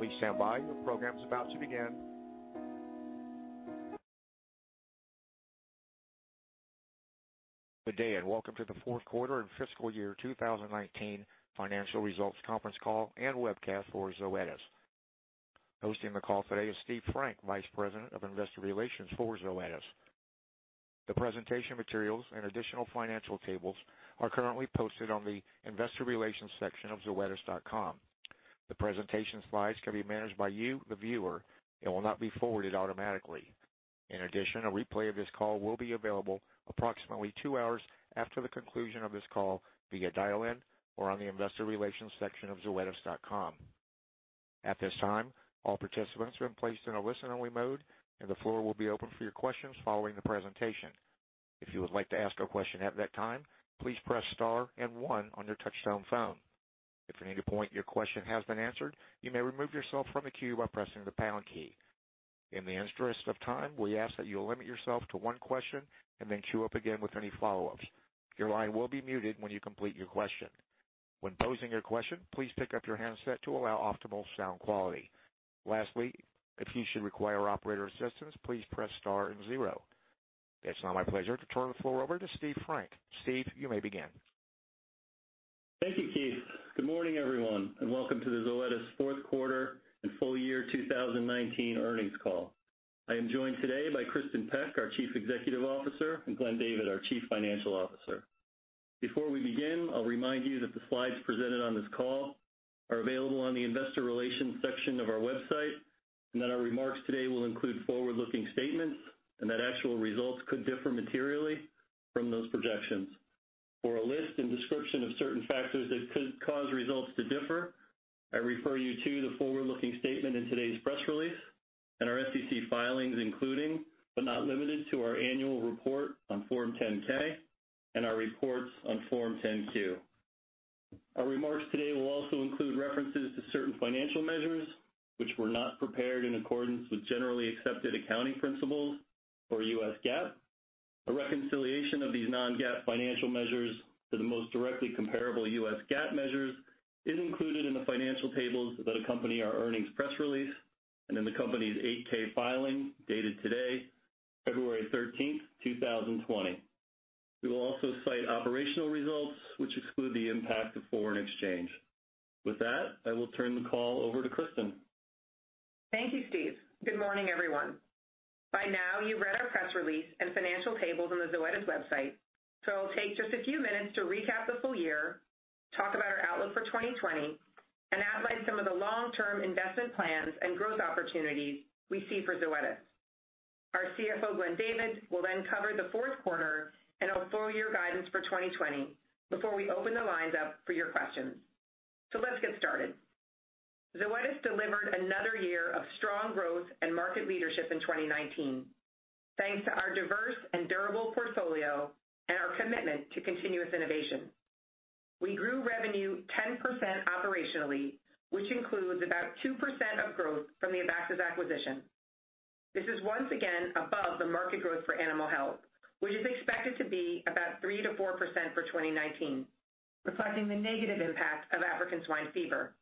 Good day, and welcome to the fourth quarter and fiscal year 2019 financial results conference call and webcast for Zoetis. Hosting the call today is Steve Frank, Vice President of Investor Relations for Zoetis. The presentation materials and additional financial tables are currently posted on the Investor Relations section of zoetis.com. The presentation slides can be managed by you, the viewer, and will not be forwarded automatically. In addition, a replay of this call will be available approximately two hours after the conclusion of this call via dial-in or on the Investor Relations section of zoetis.com. At this time, all participants have been placed in a listen-only mode, and the floor will be open for your questions following the presentation. If you would like to ask a question at that time, please press star and one on your touchtone phone. If at any point your question has been answered, you may remove yourself from the queue by pressing the pound key. In the interest of time, we ask that you limit yourself to one question and then queue up again with any follow-ups. Your line will be muted when you complete your question. When posing your question, please pick up your handset to allow optimal sound quality. Lastly, if you should require operator assistance, please press star and zero. It's now my pleasure to turn the floor over to Steve Frank. Steve, you may begin. Thank you, Keith. Good morning, everyone, and welcome to the Zoetis fourth quarter and full year 2019 earnings call. I am joined today by Kristin Peck, our Chief Executive Officer, and Glenn David, our Chief Financial Officer. Before we begin, I'll remind you that the slides presented on this call are available on the Investor Relations section of our website, and that our remarks today will include forward-looking statements and that actual results could differ materially from those projections. For a list and description of certain factors that could cause results to differ, I refer you to the forward-looking statement in today's press release and our SEC filings, including, but not limited to, our annual report on Form 10-K and our reports on Form 10-Q. Our remarks today will also include references to certain financial measures which were not prepared in accordance with Generally Accepted Accounting Principles or US GAAP. A reconciliation of these non-GAAP financial measures to the most directly comparable US GAAP measures is included in the financial tables that accompany our earnings press release and in the company's 8-K filing dated today, February 13, 2020. We will also cite operational results which exclude the impact of foreign exchange. With that, I will turn the call over to Kristin. Thank you, Steve. Good morning, everyone. By now you've read our press release and financial tables on the Zoetis website, so I'll take just a few minutes to recap the full year, talk about our outlook for 2020, and outline some of the long-term investment plans and growth opportunities we see for Zoetis. Our Chief Financial Officer, Glenn David, will then cover the fourth quarter and our full-year guidance for 2020 before we open the lines up for your questions. Let's get started. Zoetis delivered another year of strong growth and market leadership in 2019, thanks to our diverse and durable portfolio and our commitment to continuous innovation. We grew revenue 10% operationally, which includes about 2% of growth from the Abaxis acquisition. This is once again above the market growth for animal health, which is expected to be about 3%-4% for 2019, reflecting the negative impact of African swine fever.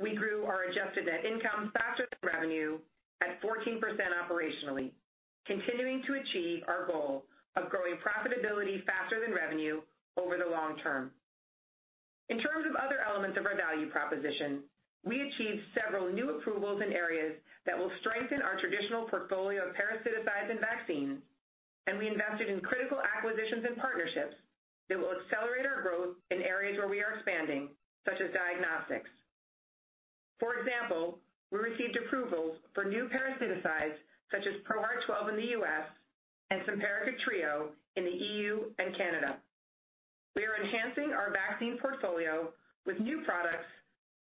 We grew our adjusted net income faster than revenue at 14% operationally, continuing to achieve our goal of growing profitability faster than revenue over the long term. In terms of other elements of our value proposition, we achieved several new approvals in areas that will strengthen our traditional portfolio of parasiticides and vaccines. We invested in critical acquisitions and partnerships that will accelerate our growth in areas where we are expanding, such as diagnostics. For example, we received approvals for new parasiticides such as ProHeart 12 in the U.S. and Simparica Trio in the EU and Canada. We are enhancing our vaccine portfolio with new products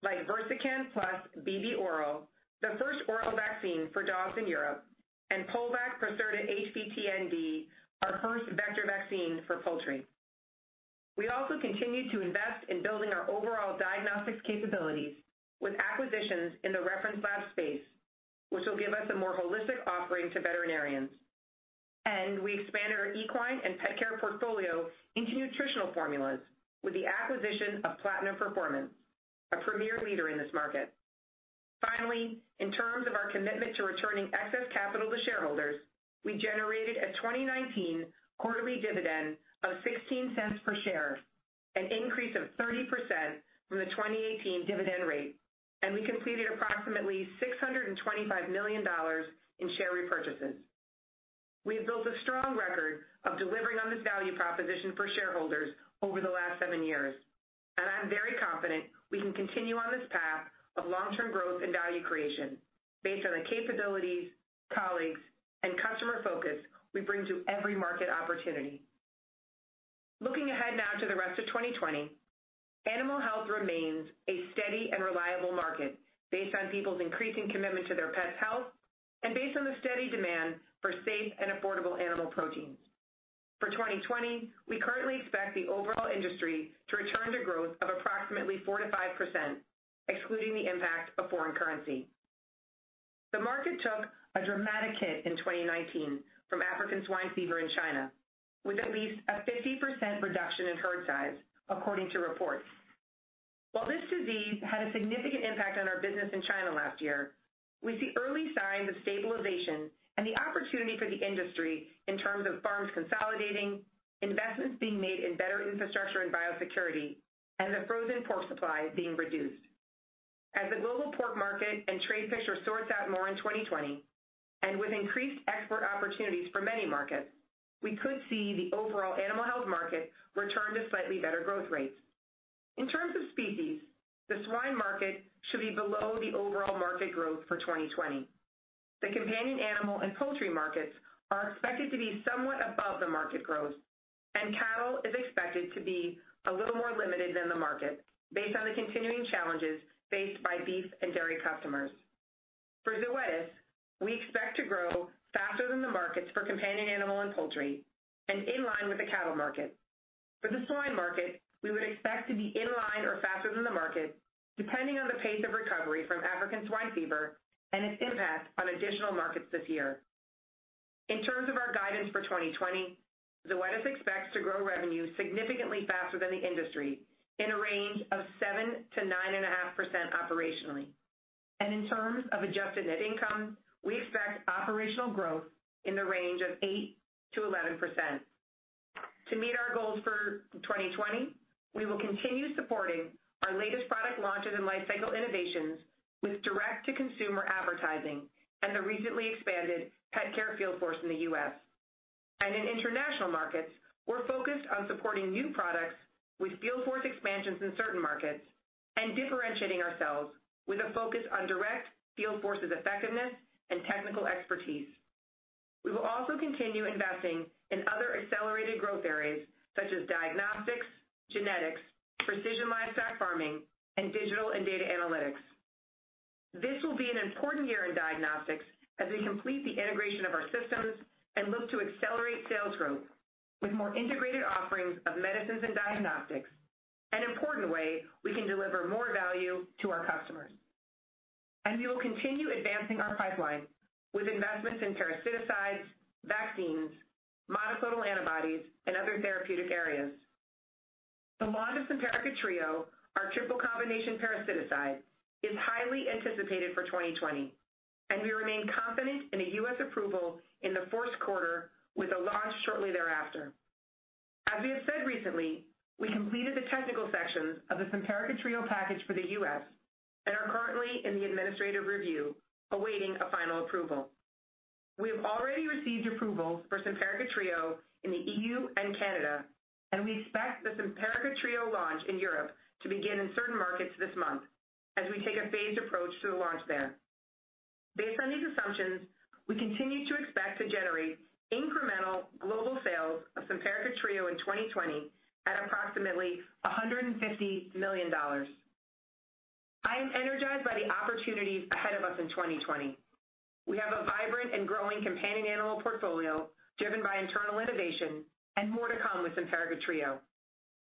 like Versican Plus Bb Oral, the first oral vaccine for dogs in Europe, and Poulvac Procerta HVT-ND, our first vector vaccine for poultry. We also continue to invest in building our overall diagnostics capabilities with acquisitions in the Reference Lab space, which will give us a more holistic offering to veterinarians. We expanded our equine and pet care portfolio into nutritional formulas with the acquisition of Platinum Performance, a premier leader in this market. Finally, in terms of our commitment to returning excess capital to shareholders, we generated a 2019 quarterly dividend of $0.16 per share, an increase of 30% from the 2018 dividend rate, and we completed approximately $625 million in share repurchases. We have built a strong record of delivering on this value proposition for shareholders over the last seven years. I'm very confident we can continue on this path of long-term growth and value creation based on the capabilities, colleagues, and customer focus we bring to every market opportunity. Looking ahead now to the rest of 2020, animal health remains a steady and reliable market based on people's increasing commitment to their pets' health and based on the steady demand for safe and affordable animal proteins. For 2020, we currently expect the overall industry to return to growth of approximately 4%-5%, excluding the impact of foreign currency. The market took a dramatic hit in 2019 from African swine fever in China, with at least a 50% reduction in herd size, according to reports. While this disease had a significant impact on our business in China last year, we see early signs of stabilization and the opportunity for the industry in terms of farms consolidating, investments being made in better infrastructure and biosecurity, and the frozen pork supply being reduced. As the global pork market and trade picture sorts out more in 2020, and with increased export opportunities for many markets, we could see the overall animal health market return to slightly better growth rates. In terms of species, the swine market should be below the overall market growth for 2020. The companion animal and poultry markets are expected to be somewhat above the market growth, and cattle is expected to be a little more limited than the market, based on the continuing challenges faced by beef and dairy customers. For Zoetis, we expect to grow faster than the markets for companion animal and poultry and in line with the cattle market. For the swine market, we would expect to be in line or faster than the market, depending on the pace of recovery from African swine fever and its impact on additional markets this year. In terms of our guidance for 2020, Zoetis expects to grow revenue significantly faster than the industry in a range of 7%-9.5% operationally. In terms of adjusted net income, we expect operational growth in the range of 8%-11%. To meet our goals for 2020, we will continue supporting our latest product launches and lifecycle innovations with direct-to-consumer advertising and the recently expanded pet care field force in the U.S. In international markets, we're focused on supporting new products with field force expansions in certain markets and differentiating ourselves with a focus on direct field forces effectiveness and technical expertise. We will also continue investing in other accelerated growth areas such as diagnostics, genetics, precision livestock farming, and digital and data analytics. This will be an important year in diagnostics as we complete the integration of our systems and look to accelerate sales growth with more integrated offerings of medicines and diagnostics, an important way we can deliver more value to our customers. We will continue advancing our pipeline with investments in parasiticides, vaccines, monoclonal antibodies, and other therapeutic areas. The launch of Simparica Trio, our triple combination parasiticide, is highly anticipated for 2020, and we remain confident in a U.S. approval in the fourth quarter with a launch shortly thereafter. As we have said recently, we completed the technical sections of the Simparica Trio package for the U.S. and are currently in the administrative review, awaiting a final approval. We have already received approval for Simparica Trio in the EU and Canada, and we expect the Simparica Trio launch in Europe to begin in certain markets this month, as we take a phased approach to the launch there. Based on these assumptions, we continue to expect to generate incremental global sales of Simparica Trio in 2020 at approximately $150 million. I am energized by the opportunities ahead of us in 2020. We have a vibrant and growing companion animal portfolio driven by internal innovation and more to come with Simparica Trio.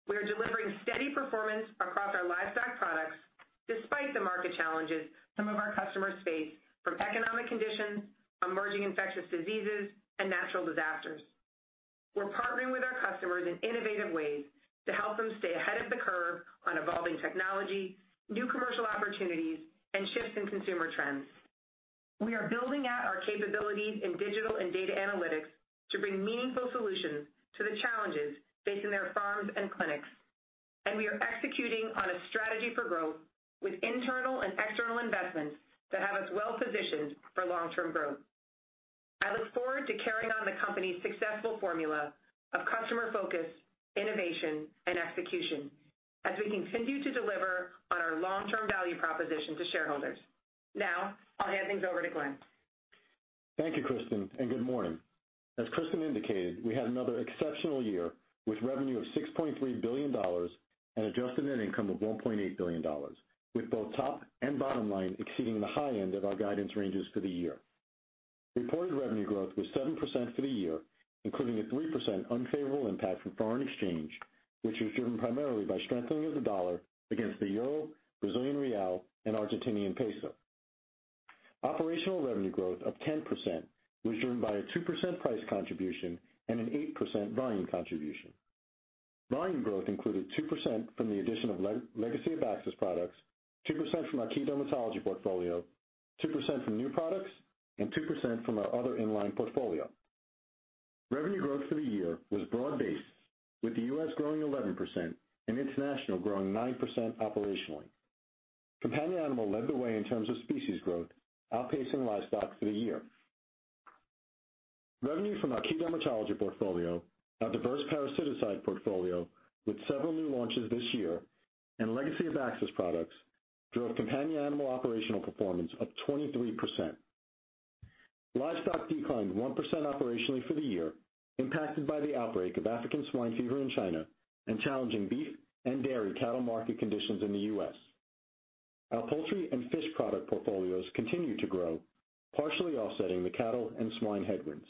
We are delivering steady performance across our livestock products despite the market challenges some of our customers face from economic conditions, emerging infectious diseases, and natural disasters. We're partnering with our customers in innovative ways to help them stay ahead of the curve on evolving technology, new commercial opportunities, and shifts in consumer trends. We are building out our capabilities in digital and data analytics to bring meaningful solutions to the challenges facing their farms and clinics. We are executing on a strategy for growth with internal and external investments that have us well-positioned for long-term growth. I look forward to carrying on the company's successful formula of customer focus, innovation, and execution as we continue to deliver on our long-term value proposition to shareholders. Now, I'll hand things over to Glenn. Thank you, Kristin, and good morning. As Kristin indicated, we had another exceptional year with revenue of $6.3 billion and adjusted net income of $1.8 billion, with both top and bottom line exceeding the high end of our guidance ranges for the year. Reported revenue growth was 7% for the year, including a 3% unfavorable impact from foreign exchange, which was driven primarily by strengthening of the dollar against the euro, Brazilian real, and Argentinian peso. Operational revenue growth of 10% was driven by a 2% price contribution and an 8% volume contribution. Volume growth included 2% from the addition of legacy Abaxis products, 2% from our key dermatology portfolio, 2% from new products, and 2% from our other in-line portfolio. Revenue growth for the year was broad-based, with the U.S. growing 11% and international growing 9% operationally. Companion animal led the way in terms of species growth, outpacing livestock for the year. Revenue from our key dermatology portfolio, our diverse parasiticide portfolio with several new launches this year, and legacy Abaxis products drove companion animal operational performance of 23%. Livestock declined 1% operationally for the year, impacted by the outbreak of African swine fever in China and challenging beef and dairy cattle market conditions in the U.S. Our poultry and fish product portfolios continued to grow, partially offsetting the cattle and swine headwinds.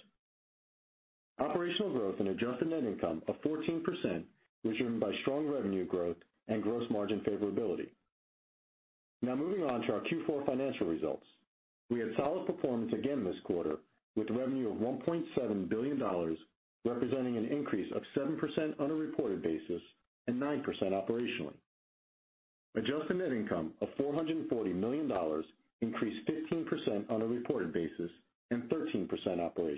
Operational growth and adjusted net income of 14%, which was driven by strong revenue growth and gross margin favorability. Moving on to our Q4 financial results. We had solid performance again this quarter with revenue of $1.7 billion, representing an increase of 7% on a reported basis and 9% operationally. Adjusted net income of $440 million increased 15% on a reported basis and 13% operationally.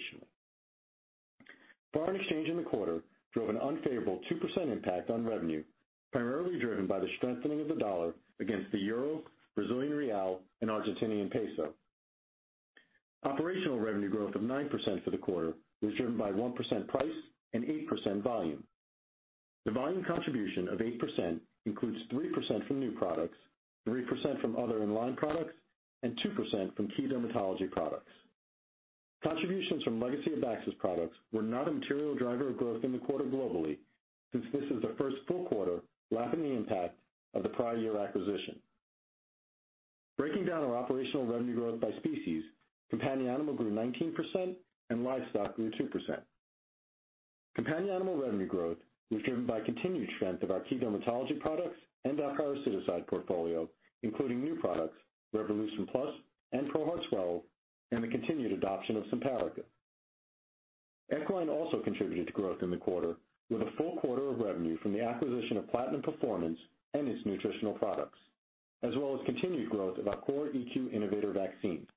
Foreign exchange in the quarter drove an unfavorable 2% impact on revenue, primarily driven by the strengthening of the dollar against the euro, Brazilian real, and Argentinian peso. Operational revenue growth of 9% for the quarter was driven by 1% price and 8% volume. The volume contribution of 8% includes 3% from new products, 3% from other in-line products, and 2% from key dermatology products. Contributions from legacy Abaxis products were not a material driver of growth in the quarter globally, since this is the first full quarter lacking the impact of the prior year acquisition. Breaking down our operational revenue growth by species, companion animal grew 19% and livestock grew 2%. Companion animal revenue growth was driven by continued strength of our key dermatology products and our parasiticide portfolio, including new products, Revolution Plus and ProHeart 12, and the continued adoption of Simparica. Equine also contributed to growth in the quarter with a full quarter of revenue from the acquisition of Platinum Performance and its nutritional products. Continued growth of our Core EQ Innovator vaccine.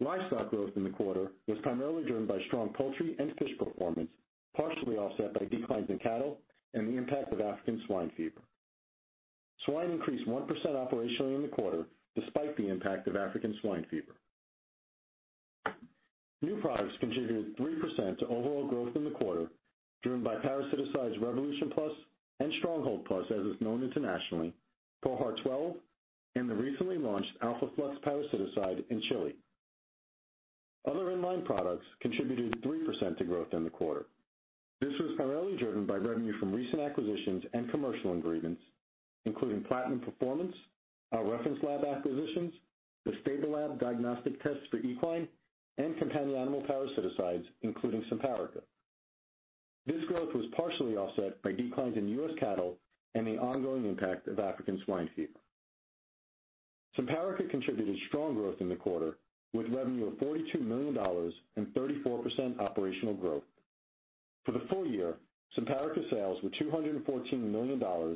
Livestock growth in the quarter was primarily driven by strong poultry and fish performance, partially offset by declines in cattle and the impact of African swine fever. Swine increased 1% operationally in the quarter despite the impact of African swine fever. New products contributed 3% to overall growth in the quarter, driven by parasiticides Revolution Plus and Stronghold Plus, as it's known internationally, ProHeart 12, and the recently launched Alpha Flux parasiticide in Chile. Other in-line products contributed 3% to growth in the quarter. This was primarily driven by revenue from recent acquisitions and commercial agreements, including Platinum Performance, our Reference Lab acquisitions, the Stablelab diagnostic tests for equine and companion animal parasiticides, including Simparica. This growth was partially offset by declines in U.S. cattle and the ongoing impact of African swine fever. Simparica contributed strong growth in the quarter, with revenue of $42 million and 34% operational growth. For the full year, Simparica sales were $214 million, growing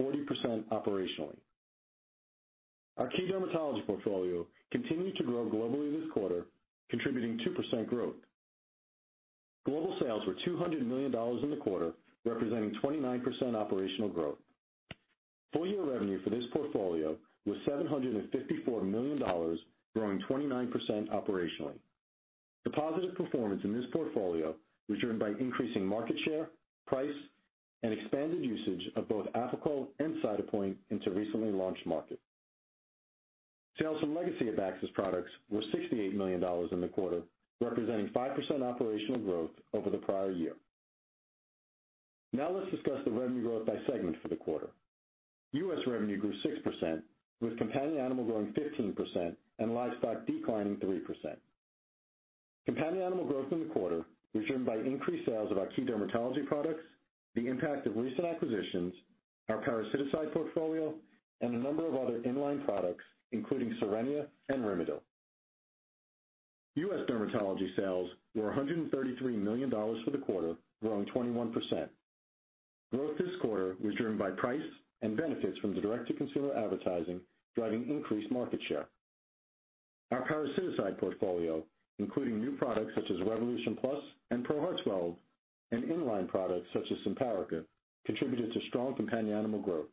40% operationally. Our key dermatology portfolio continued to grow globally this quarter, contributing 2% growth. Global sales were $200 million in the quarter, representing 29% operational growth. Full-year revenue for this portfolio was $754 million, growing 29% operationally. The positive performance in this portfolio was driven by increasing market share, price, and expanded usage of both Apoquel and Cytopoint into recently launched markets. Sales from legacy Abaxis products were $68 million in the quarter, representing 5% operational growth over the prior year. Let's discuss the revenue growth by segment for the quarter. U.S. revenue grew 6%, with companion animal growing 15% and livestock declining 3%. Companion animal growth in the quarter was driven by increased sales of our key dermatology products, the impact of recent acquisitions, our parasiticide portfolio, and a number of other in-line products, including Cerenia and Rimadyl. U.S. dermatology sales were $133 million for the quarter, growing 21%. Growth this quarter was driven by price and benefits from the direct-to-consumer advertising, driving increased market share. Our parasiticide portfolio, including new products such as Revolution Plus and ProHeart 12 and in-line products such as Simparica, contributed to strong companion animal growth.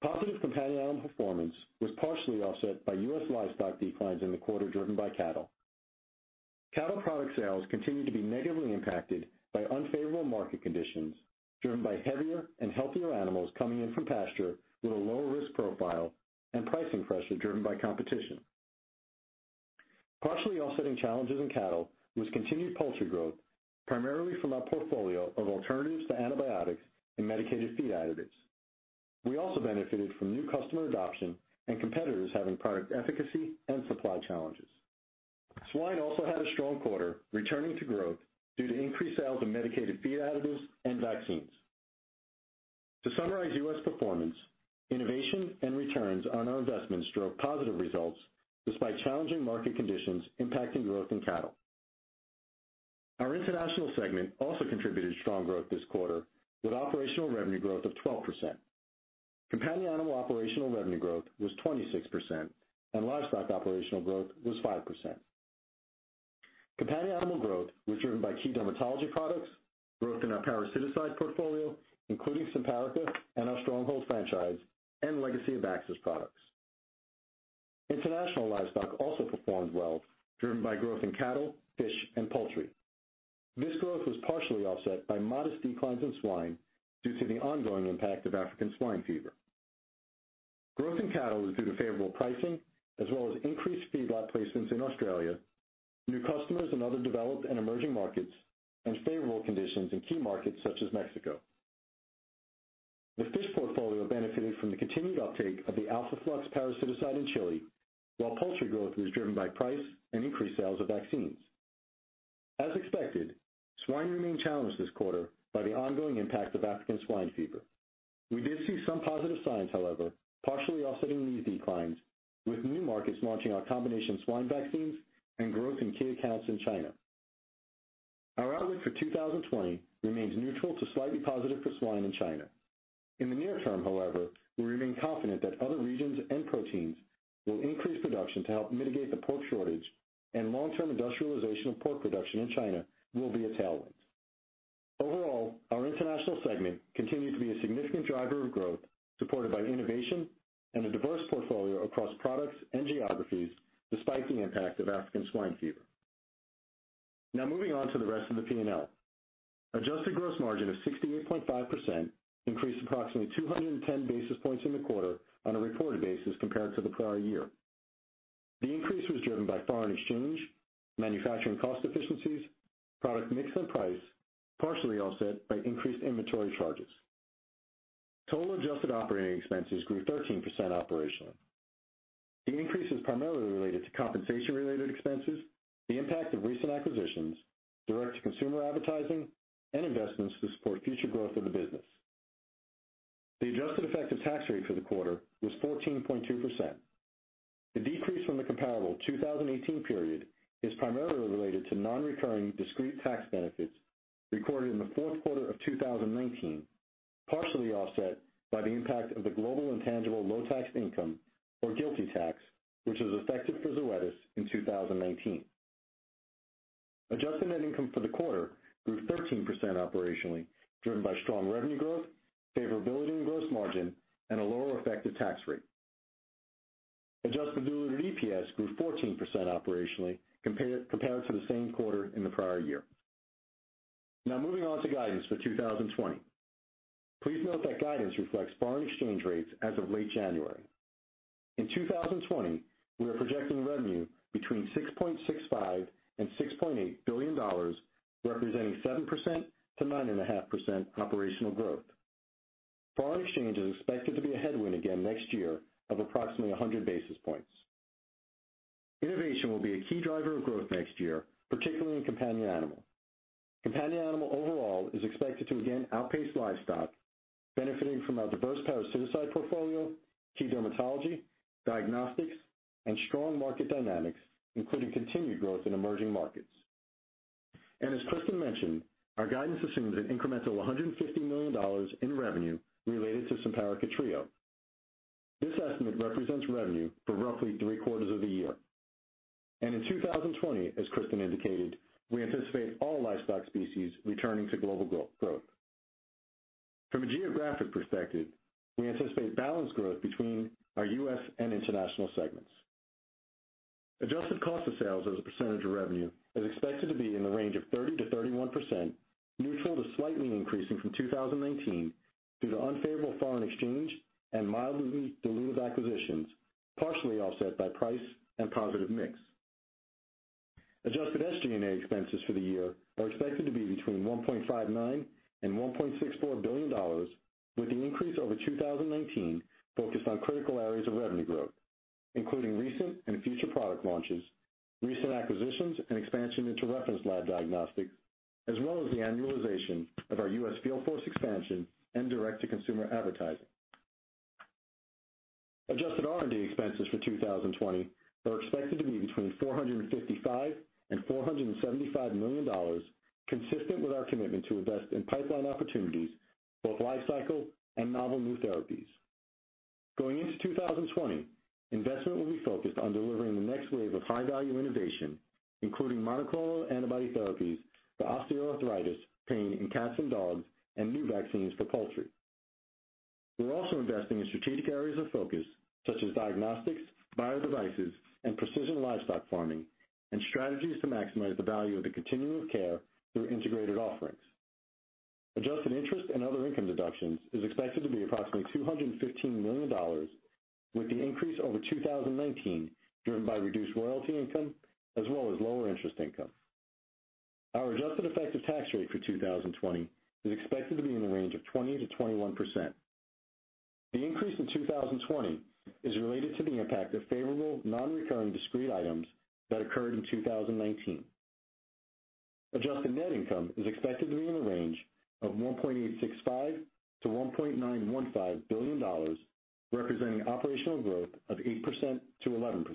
Positive companion animal performance was partially offset by U.S. livestock declines in the quarter, driven by cattle. Cattle product sales continued to be negatively impacted by unfavorable market conditions driven by heavier and healthier animals coming in from pasture with a lower risk profile and pricing pressure driven by competition. Partially offsetting challenges in cattle was continued poultry growth, primarily from our portfolio of alternatives to antibiotics and medicated feed additives. We also benefited from new customer adoption and competitors having product efficacy and supply challenges. Swine also had a strong quarter, returning to growth due to increased sales of medicated feed additives and vaccines. To summarize U.S. performance, innovation and returns on our investments drove positive results despite challenging market conditions impacting growth in cattle. Our international segment also contributed strong growth this quarter, with operational revenue growth of 12%. Companion animal operational revenue growth was 26%, and livestock operational growth was 5%. Companion animal growth was driven by key dermatology products, growth in our parasiticide portfolio, including Simparica and our Stronghold franchise and legacy Abaxis products. International livestock also performed well, driven by growth in cattle, fish, and poultry. This growth was partially offset by modest declines in swine due to the ongoing impact of African swine fever. Growth in cattle was due to favorable pricing as well as increased feedlot placements in Australia, new customers in other developed and emerging markets, and favorable conditions in key markets such as Mexico. The fish portfolio benefited from the continued uptake of the Alpha Flux parasiticide in Chile, while poultry growth was driven by price and increased sales of vaccines. As expected, swine remained challenged this quarter by the ongoing impact of African swine fever. We did see some positive signs, however, partially offsetting these declines, with new markets launching our combination swine vaccines and growth in key accounts in China. Our outlook for 2020 remains neutral to slightly positive for swine in China. In the near term, however, we remain confident that other regions and proteins will increase production to help mitigate the pork shortage, and long-term industrialization of pork production in China will be a tailwind. Overall, our international segment continues to be a significant driver of growth, supported by innovation and a diverse portfolio across products and geographies, despite the impact of African swine fever. Moving on to the rest of the P&L. Adjusted gross margin of 68.5% increased approximately 210 basis points in the quarter on a reported basis compared to the prior year. The increase was driven by foreign exchange, manufacturing cost efficiencies, product mix and price, partially offset by increased inventory charges. Total adjusted operating expenses grew 13% operationally. The increase is primarily related to compensation-related expenses, the impact of recent acquisitions, direct-to-consumer advertising, and investments to support future growth of the business. The adjusted effective tax rate for the quarter was 14.2%. The decrease from the comparable 2018 period is primarily related to non-recurring discrete tax benefits recorded in the fourth quarter of 2019, partially offset by the impact of the Global Intangible Low Tax income, or GILTI tax, which was effective for Zoetis in 2019. Adjusted net income for the quarter grew 13% operationally, driven by strong revenue growth, favorability in gross margin, and a lower effective tax rate. Adjusted diluted EPS grew 14% operationally compared to the same quarter in the prior year. Moving on to guidance for 2020. Please note that guidance reflects foreign exchange rates as of late January. In 2020, we are projecting revenue between $6.65 billion and $6.8 billion, representing 7%-9.5% operational growth. Foreign exchange is expected to be a headwind again next year of approximately 100 basis points. Innovation will be a key driver of growth next year, particularly in companion animal. Companion animal overall is expected to again outpace livestock, benefiting from our diverse parasiticide portfolio, key dermatology, diagnostics, and strong market dynamics, including continued growth in emerging markets. As Kristin mentioned, our guidance assumes an incremental $150 million in revenue related to Simparica Trio. This estimate represents revenue for roughly three quarters of the year. In 2020, as Kristin indicated, we anticipate all livestock species returning to global growth. From a geographic perspective, we anticipate balanced growth between our U.S. and international segments. Adjusted cost of sales as a percentage of revenue is expected to be in the range of 30%-31%, neutral to slightly increasing from 2019 due to unfavorable foreign exchange and mildly dilutive acquisitions, partially offset by price and positive mix. Adjusted SG&A expenses for the year are expected to be between $1.59 billion and $1.64 billion, with the increase over 2019 focused on critical areas of revenue growth, including recent and future product launches, recent acquisitions, and expansion into Reference Lab diagnostics, as well as the annualization of our U.S. field force expansion and direct-to-consumer advertising. Adjusted R&D expenses for 2020 are expected to be between $455 million and $475 million, consistent with our commitment to invest in pipeline opportunities for both life cycle and novel new therapies. Going into 2020, investment will be focused on delivering the next wave of high-value innovation, including monoclonal antibody therapies for osteoarthritis, pain in cats and dogs, and new vaccines for poultry. We're also investing in strategic areas of focus, such as diagnostics, bio devices, and precision livestock farming, and strategies to maximize the value of the continuum of care through integrated offerings. Adjusted interest and other income deductions is expected to be approximately $215 million, with the increase over 2019 driven by reduced royalty income as well as lower interest income. Our adjusted effective tax rate for 2020 is expected to be in the range of 20%-21%. The increase in 2020 is related to the impact of favorable non-recurring discrete items that occurred in 2019. Adjusted net income is expected to be in the range of $1.865 billion-$1.915 billion, representing operational growth of 8%-11%.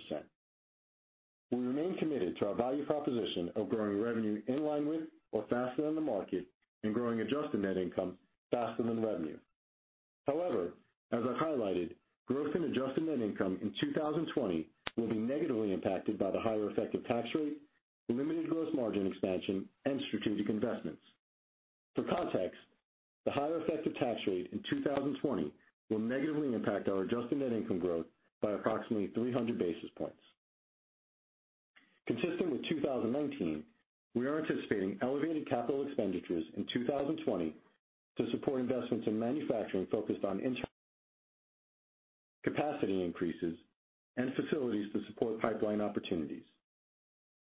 We remain committed to our value proposition of growing revenue in line with or faster than the market and growing adjusted net income faster than revenue. As I've highlighted, growth in adjusted net income in 2020 will be negatively impacted by the higher effective tax rate, limited gross margin expansion, and strategic investments. For context, the higher effective tax rate in 2020 will negatively impact our adjusted net income growth by approximately 300 basis points. Consistent with 2019, we are anticipating elevated capital expenditures in 2020 to support investments in manufacturing focused on capacity increases, and facilities to support pipeline opportunities.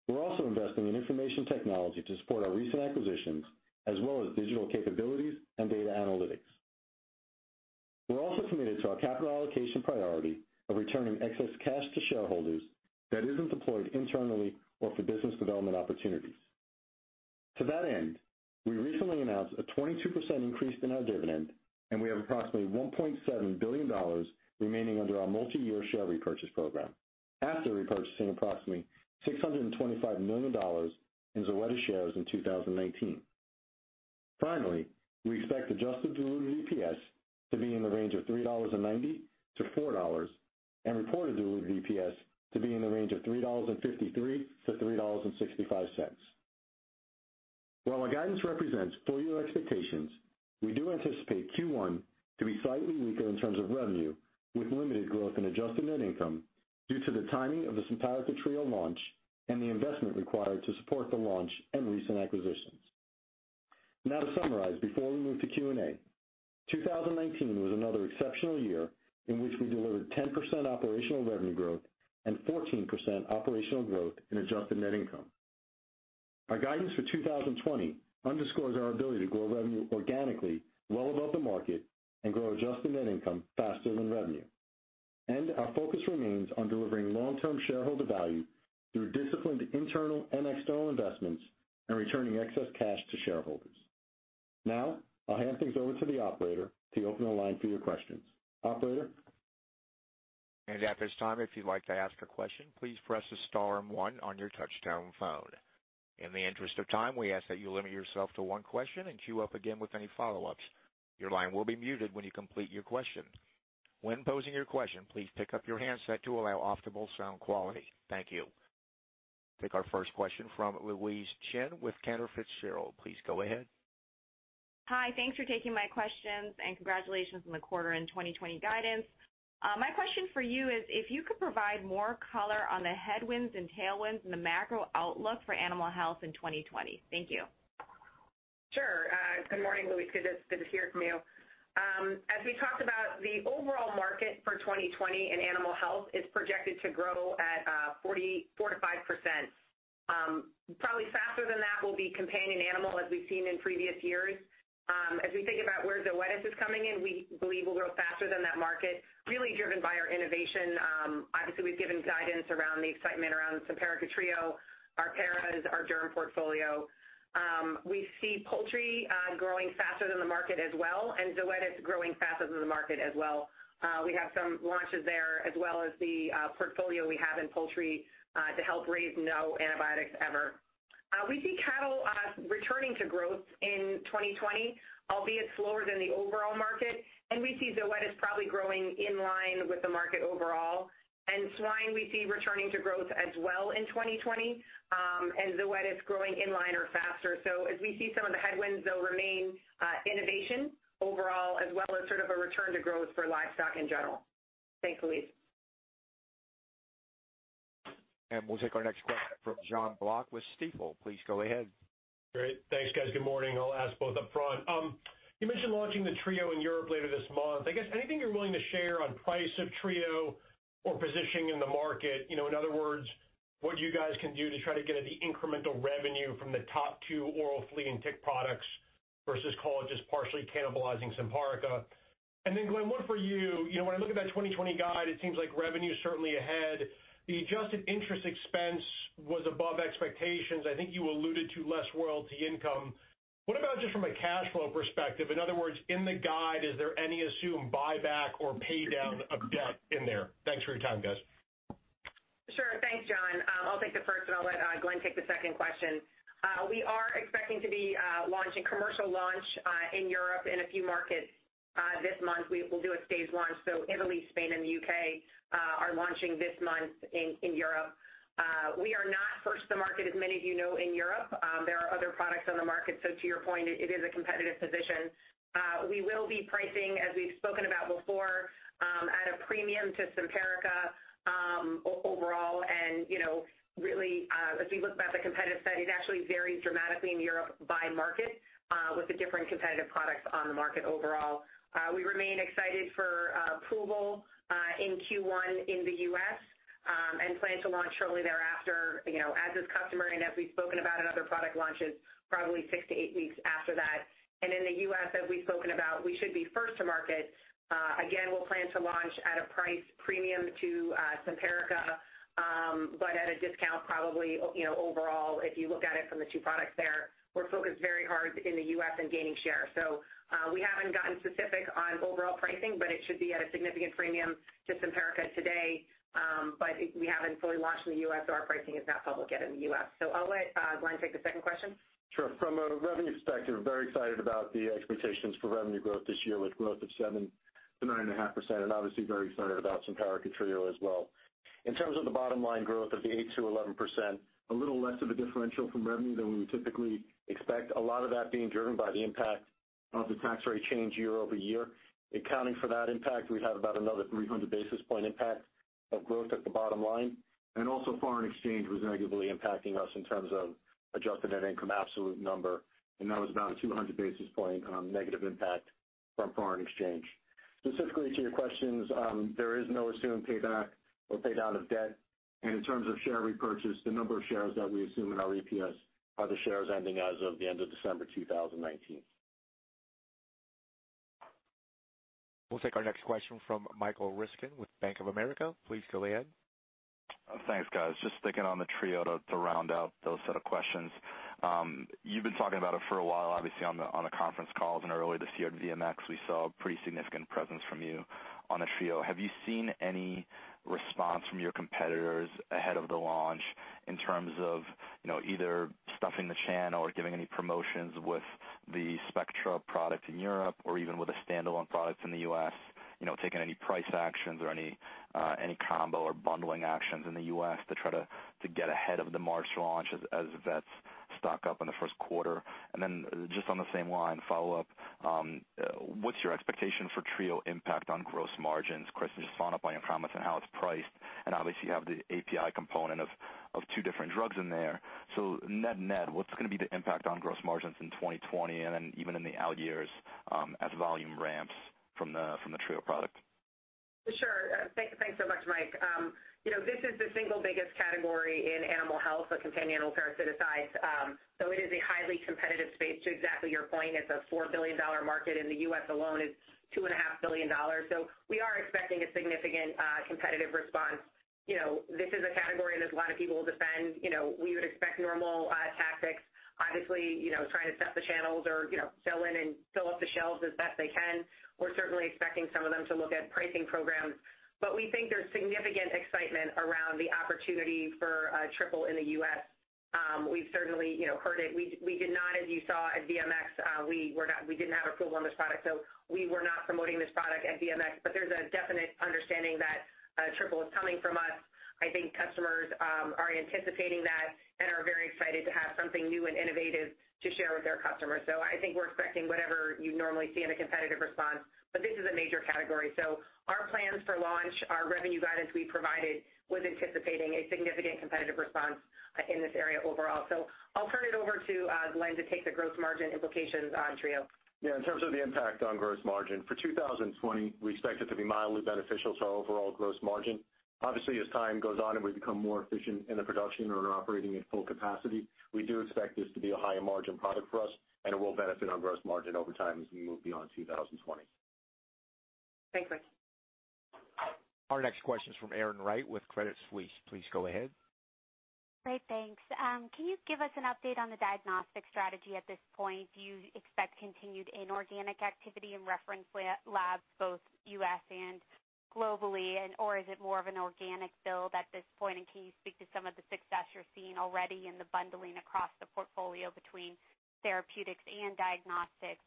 We're also investing in information technology to support our recent acquisitions, as well as digital capabilities and data analytics. We're also committed to our capital allocation priority of returning excess cash to shareholders that isn't deployed internally or for business development opportunities. To that end, we recently announced a 22% increase in our dividend, and we have approximately $1.7 billion remaining under our multi-year share repurchase program after repurchasing approximately $625 million in Zoetis shares in 2019. Finally, we expect adjusted diluted EPS to be in the range of $3.90-$4, and reported diluted EPS to be in the range of $3.53-$3.65. While our guidance represents full-year expectations, we do anticipate Q1 to be slightly weaker in terms of revenue, with limited growth in adjusted net income due to the timing of the Simparica Trio launch and the investment required to support the launch and recent acquisitions. To summarize, before we move to Q&A, 2019 was another exceptional year in which we delivered 10% operational revenue growth and 14% operational growth in adjusted net income. Our guidance for 2020 underscores our ability to grow revenue organically well above the market and grow adjusted net income faster than revenue. Our focus remains on delivering long-term shareholder value through disciplined internal and external investments and returning excess cash to shareholders. I'll hand things over to the operator to open the line for your questions. Operator? At this time, if you'd like to ask a question, please press star one on your touch-tone phone. In the interest of time, we ask that you limit yourself to one question and queue up again with any follow-ups. Your line will be muted when you complete your question. When posing your question, please pick up your handset to allow optimal sound quality. Thank you. Take our first question from Louise Chen with Cantor Fitzgerald. Please go ahead. Hi. Thanks for taking my questions and congratulations on the quarter and 2020 guidance. My question for you is if you could provide more color on the headwinds and tailwinds and the macro outlook for animal health in 2020. Thank you. Sure. Good morning, Louise. Good to hear from you. As we talked about, the overall market for 2020 in animal health is projected to grow at 4%-5%. Probably faster than that will be companion animal as we've seen in previous years. As we think about where Zoetis is coming in, we believe we'll grow faster than that market, really driven by our innovation. Obviously, we've given guidance around the excitement around Simparica Trio, Apoquel, our derm portfolio. We see poultry growing faster than the market as well, and Zoetis growing faster than the market as well. We have some launches there as well as the portfolio we have in poultry to help raise no antibiotics ever. We see cattle returning to growth in 2020, albeit slower than the overall market, and we see Zoetis probably growing in line with the market overall. Swine we see returning to growth as well in 2020, and Zoetis growing in line or faster. As we see some of the headwinds though remain innovation overall as well as sort of a return to growth for livestock in general. Thanks, Louise. We'll take our next question from Jon Block with Stifel. Please go ahead. Great. Thanks, guys. Good morning. I'll ask both upfront. You mentioned launching the Trio in Europe later this month. I guess anything you're willing to share on price of Trio or positioning in the market, in other words, what you guys can do to try to get at the incremental revenue from the top two oral flea and tick products versus call it just partially cannibalizing Simparica. Then Glenn, one for you. When I look at that 2020 guide, it seems like revenue is certainly ahead. The adjusted interest expense was above expectations. I think you alluded to less royalty income. What about just from a cash flow perspective? In other words, in the guide, is there any assumed buyback or pay down of debt in there? Thanks for your time, guys. Sure. Thanks, Jon. I'll take the first, and I'll let Glenn take the second question. We are expecting to be launching commercial launch in Europe in a few markets this month. We'll do a phased launch. Italy, Spain, and the U.K. are launching this month in Europe. We are not first to market, as many of you know, in Europe. There are other products on the market. To your point, it is a competitive position. We will be pricing, as we've spoken about before, at a premium to Simparica overall. Really, as we look about the competitive set, it actually varies dramatically in Europe by market with the different competitive products on the market overall. We remain excited for approval in Q1 in the U.S. and plan to launch shortly thereafter, as is customary and as we've spoken about in other product launches, probably six to eight weeks after that. In the U.S., as we've spoken about, we should be first to market. Again, we'll plan to launch at a price premium to Simparica, but at a discount probably overall if you look at it from the two products there. We're focused very hard in the U.S. in gaining share. We haven't gotten specific on overall pricing, but it should be at a significant premium to Simparica today. We haven't fully launched in the U.S., so our pricing is not public yet in the U.S. I'll let Glenn take the second question. Sure. From a revenue perspective, very excited about the expectations for revenue growth this year with growth of 7%-9.5%. Obviously very excited about Simparica Trio as well. In terms of the bottom line growth of 8%-11%, a little less of a differential from revenue than we would typically expect. A lot of that being driven by the impact of the tax rate change YoY. Accounting for that impact, we'd have about another 300 basis point impact of growth at the bottom line. Also, foreign exchange was negatively impacting us in terms of adjusted net income absolute number, and that was about a 200 basis point negative impact from foreign exchange. Specifically to your questions, there is no assumed payback or pay-down of debt, and in terms of share repurchase, the number of shares that we assume in our EPS are the shares ending as of the end of December 2019. We'll take our next question from Michael Ryskin with Bank of America. Please go ahead. Thanks, guys. Just sticking on the Trio to round out those set of questions. You've been talking about it for a while, obviously, on the conference calls and earlier this year at VMX, we saw a pretty significant presence from you on the Trio. Have you seen any response from your competitors ahead of the launch in terms of either stuffing the channel or giving any promotions with the Spectra product in Europe or even with the standalone products in the U.S., taking any price actions or any combo or bundling actions in the U.S. to try to get ahead of the March launch as vets stock up in the first quarter? Then just on the same line, follow up, what's your expectation for Trio impact on gross margins? kristin, just following up on your comments on how it's priced, and obviously, you have the API component of two different drugs in there. Net-net, what's going to be the impact on gross margins in 2020 and then even in the out years as volume ramps from the Trio product? Sure. Thanks so much, Mike. This is the single biggest category in animal health, the companion animal parasiticides, so it is a highly competitive space. To exactly your point, it's a $4 billion market, in the U.S. alone is $2.5 billion. We are expecting a significant competitive response. This is a category that a lot of people will defend. We would expect normal tactics, obviously, trying to stuff the channels or fill in and fill up the shelves as best they can. We're certainly expecting some of them to look at pricing programs. We think there's significant excitement around the opportunity for a triple in the U.S. We've certainly heard it. We did not, as you saw at VMX, we didn't have approval on this product, so we were not promoting this product at VMX. There's a definite understanding that a triple is coming from us. I think customers are anticipating that and are very excited to have something new and innovative to share with their customers. I think we're expecting whatever you'd normally see in a competitive response, but this is a major category. Our plans for launch, our revenue guidance we provided was anticipating a significant competitive response in this area overall. I'll turn it over to Glenn to take the gross margin implications on Trio. Yeah. In terms of the impact on gross margin, for 2020, we expect it to be mildly beneficial to our overall gross margin. Obviously, as time goes on and we become more efficient in the production or are operating at full capacity, we do expect this to be a higher margin product for us, and it will benefit our gross margin over time as we move beyond 2020. Thanks, Mike. Our next question is from Erin Wright with Credit Suisse. Please go ahead. Great. Thanks. Can you give us an update on the diagnostic strategy at this point? Do you expect continued inorganic activity in Reference Labs, both U.S. and globally, or is it more of an organic build at this point? Can you speak to some of the success you're seeing already in the bundling across the portfolio between therapeutics and diagnostics?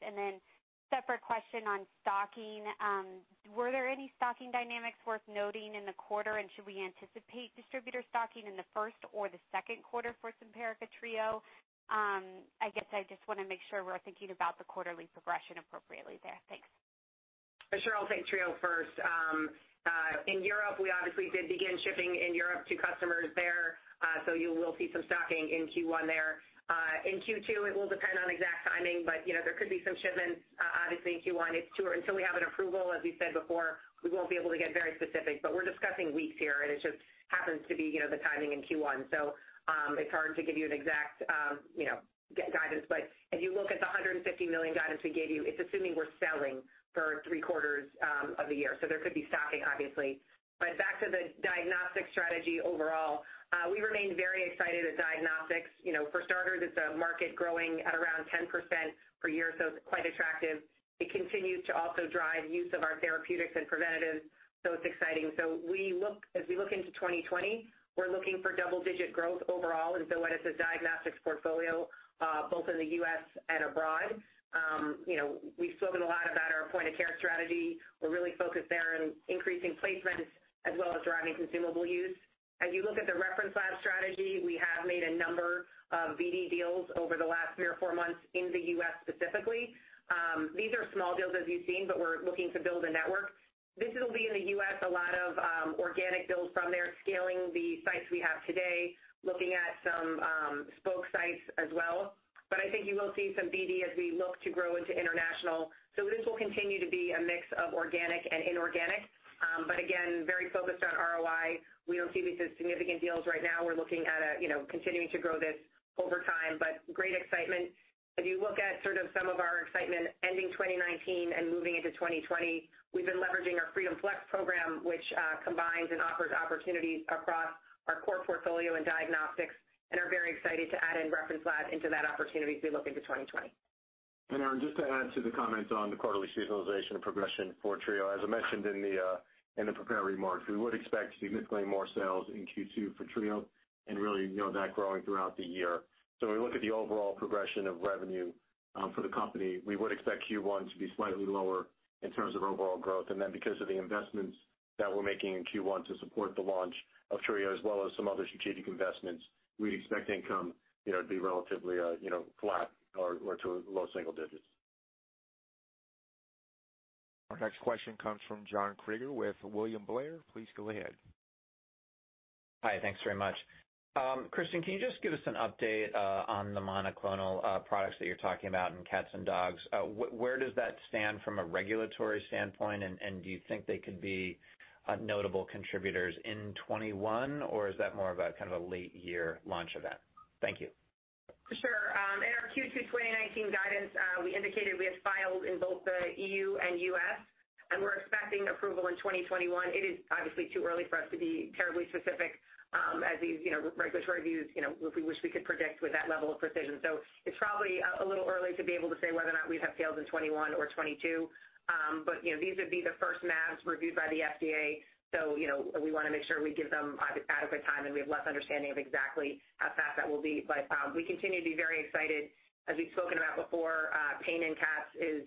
Separate question on stocking. Were there any stocking dynamics worth noting in the quarter, and should we anticipate distributor stocking in the first or the second quarter for Simparica Trio? I guess I just want to make sure we're thinking about the quarterly progression appropriately there. Thanks. Sure. I'll take Trio first. In Europe, we obviously did begin shipping in Europe to customers there, so you will see some stocking in Q1 there. In Q2, it will depend on exact timing, but there could be some shipments. Obviously, in Q1, until we have an approval, as we said before, we won't be able to get very specific, but we're discussing weeks here, and it just happens to be the timing in Q1. It's hard to give you an exact guidance, but if you look at the $150 million guidance we gave you, it's assuming we're selling for three quarters of the year. There could be stocking, obviously. Back to the diagnostic strategy overall. We remain very excited at diagnostics. For starters, it's a market growing at around 10% per year, so it's quite attractive. It continues to also drive use of our therapeutics and preventatives, so it's exciting. As we look into 2020, we're looking for double-digit growth overall in Zoetis' diagnostics portfolio both in the U.S. and abroad. We've spoken a lot about our point-of-care strategy. We're really focused there on increasing placements as well as driving consumable use. As you look at the Reference Lab strategy, we have made a number of BD deals over the last three or four months in the U.S. specifically. These are small deals, as you've seen, but we're looking to build a network. This will be in the U.S., a lot of organic build from there, scaling the sites we have today, looking at some spoke sites as well. I think you will see some BD as we look to grow into international. This will continue to be a mix of organic and inorganic. Again, very focused on ROI. We don't see these as significant deals right now. We're looking at continuing to grow this over time, but great excitement. If you look at sort of some of our excitement ending 2019 and moving into 2020, we've been leveraging our Freedom Flex program, which combines and offers opportunities across our core portfolio and diagnostics and are very excited to add in Reference Lab into that opportunity as we look into 2020. Erin, just to add to the comments on the quarterly seasonalization and progression for Trio. As I mentioned in the prepared remarks, we would expect significantly more sales in Q2 for Trio and really that growing throughout the year. We look at the overall progression of revenue for the company, we would expect Q1 to be slightly lower in terms of overall growth, and then because of the investments that we're making in Q1 to support the launch of Trio as well as some other strategic investments, we expect income to be relatively flat or to low single digits. Our next question comes from John Kreger with William Blair. Please go ahead. Hi. Thanks very much. Kristin, can you just give us an update on the monoclonal products that you're talking about in cats and dogs? Where does that stand from a regulatory standpoint, and do you think they could be notable contributors in 2021, or is that more of a late-year launch event? Thank you. For sure. In our Q2 2019 guidance, we indicated we have filed in both the EU and U.S. We're expecting approval in 2021. It is obviously too early for us to be terribly specific as these regulatory views, we wish we could predict with that level of precision. It's probably a little early to be able to say whether or not we'd have sales in 2021 or 2022. These would be the first MABs reviewed by the FDA, so we want to make sure we give them adequate time, and we have less understanding of exactly how fast that will be. We continue to be very excited. As we've spoken about before, pain in cats is,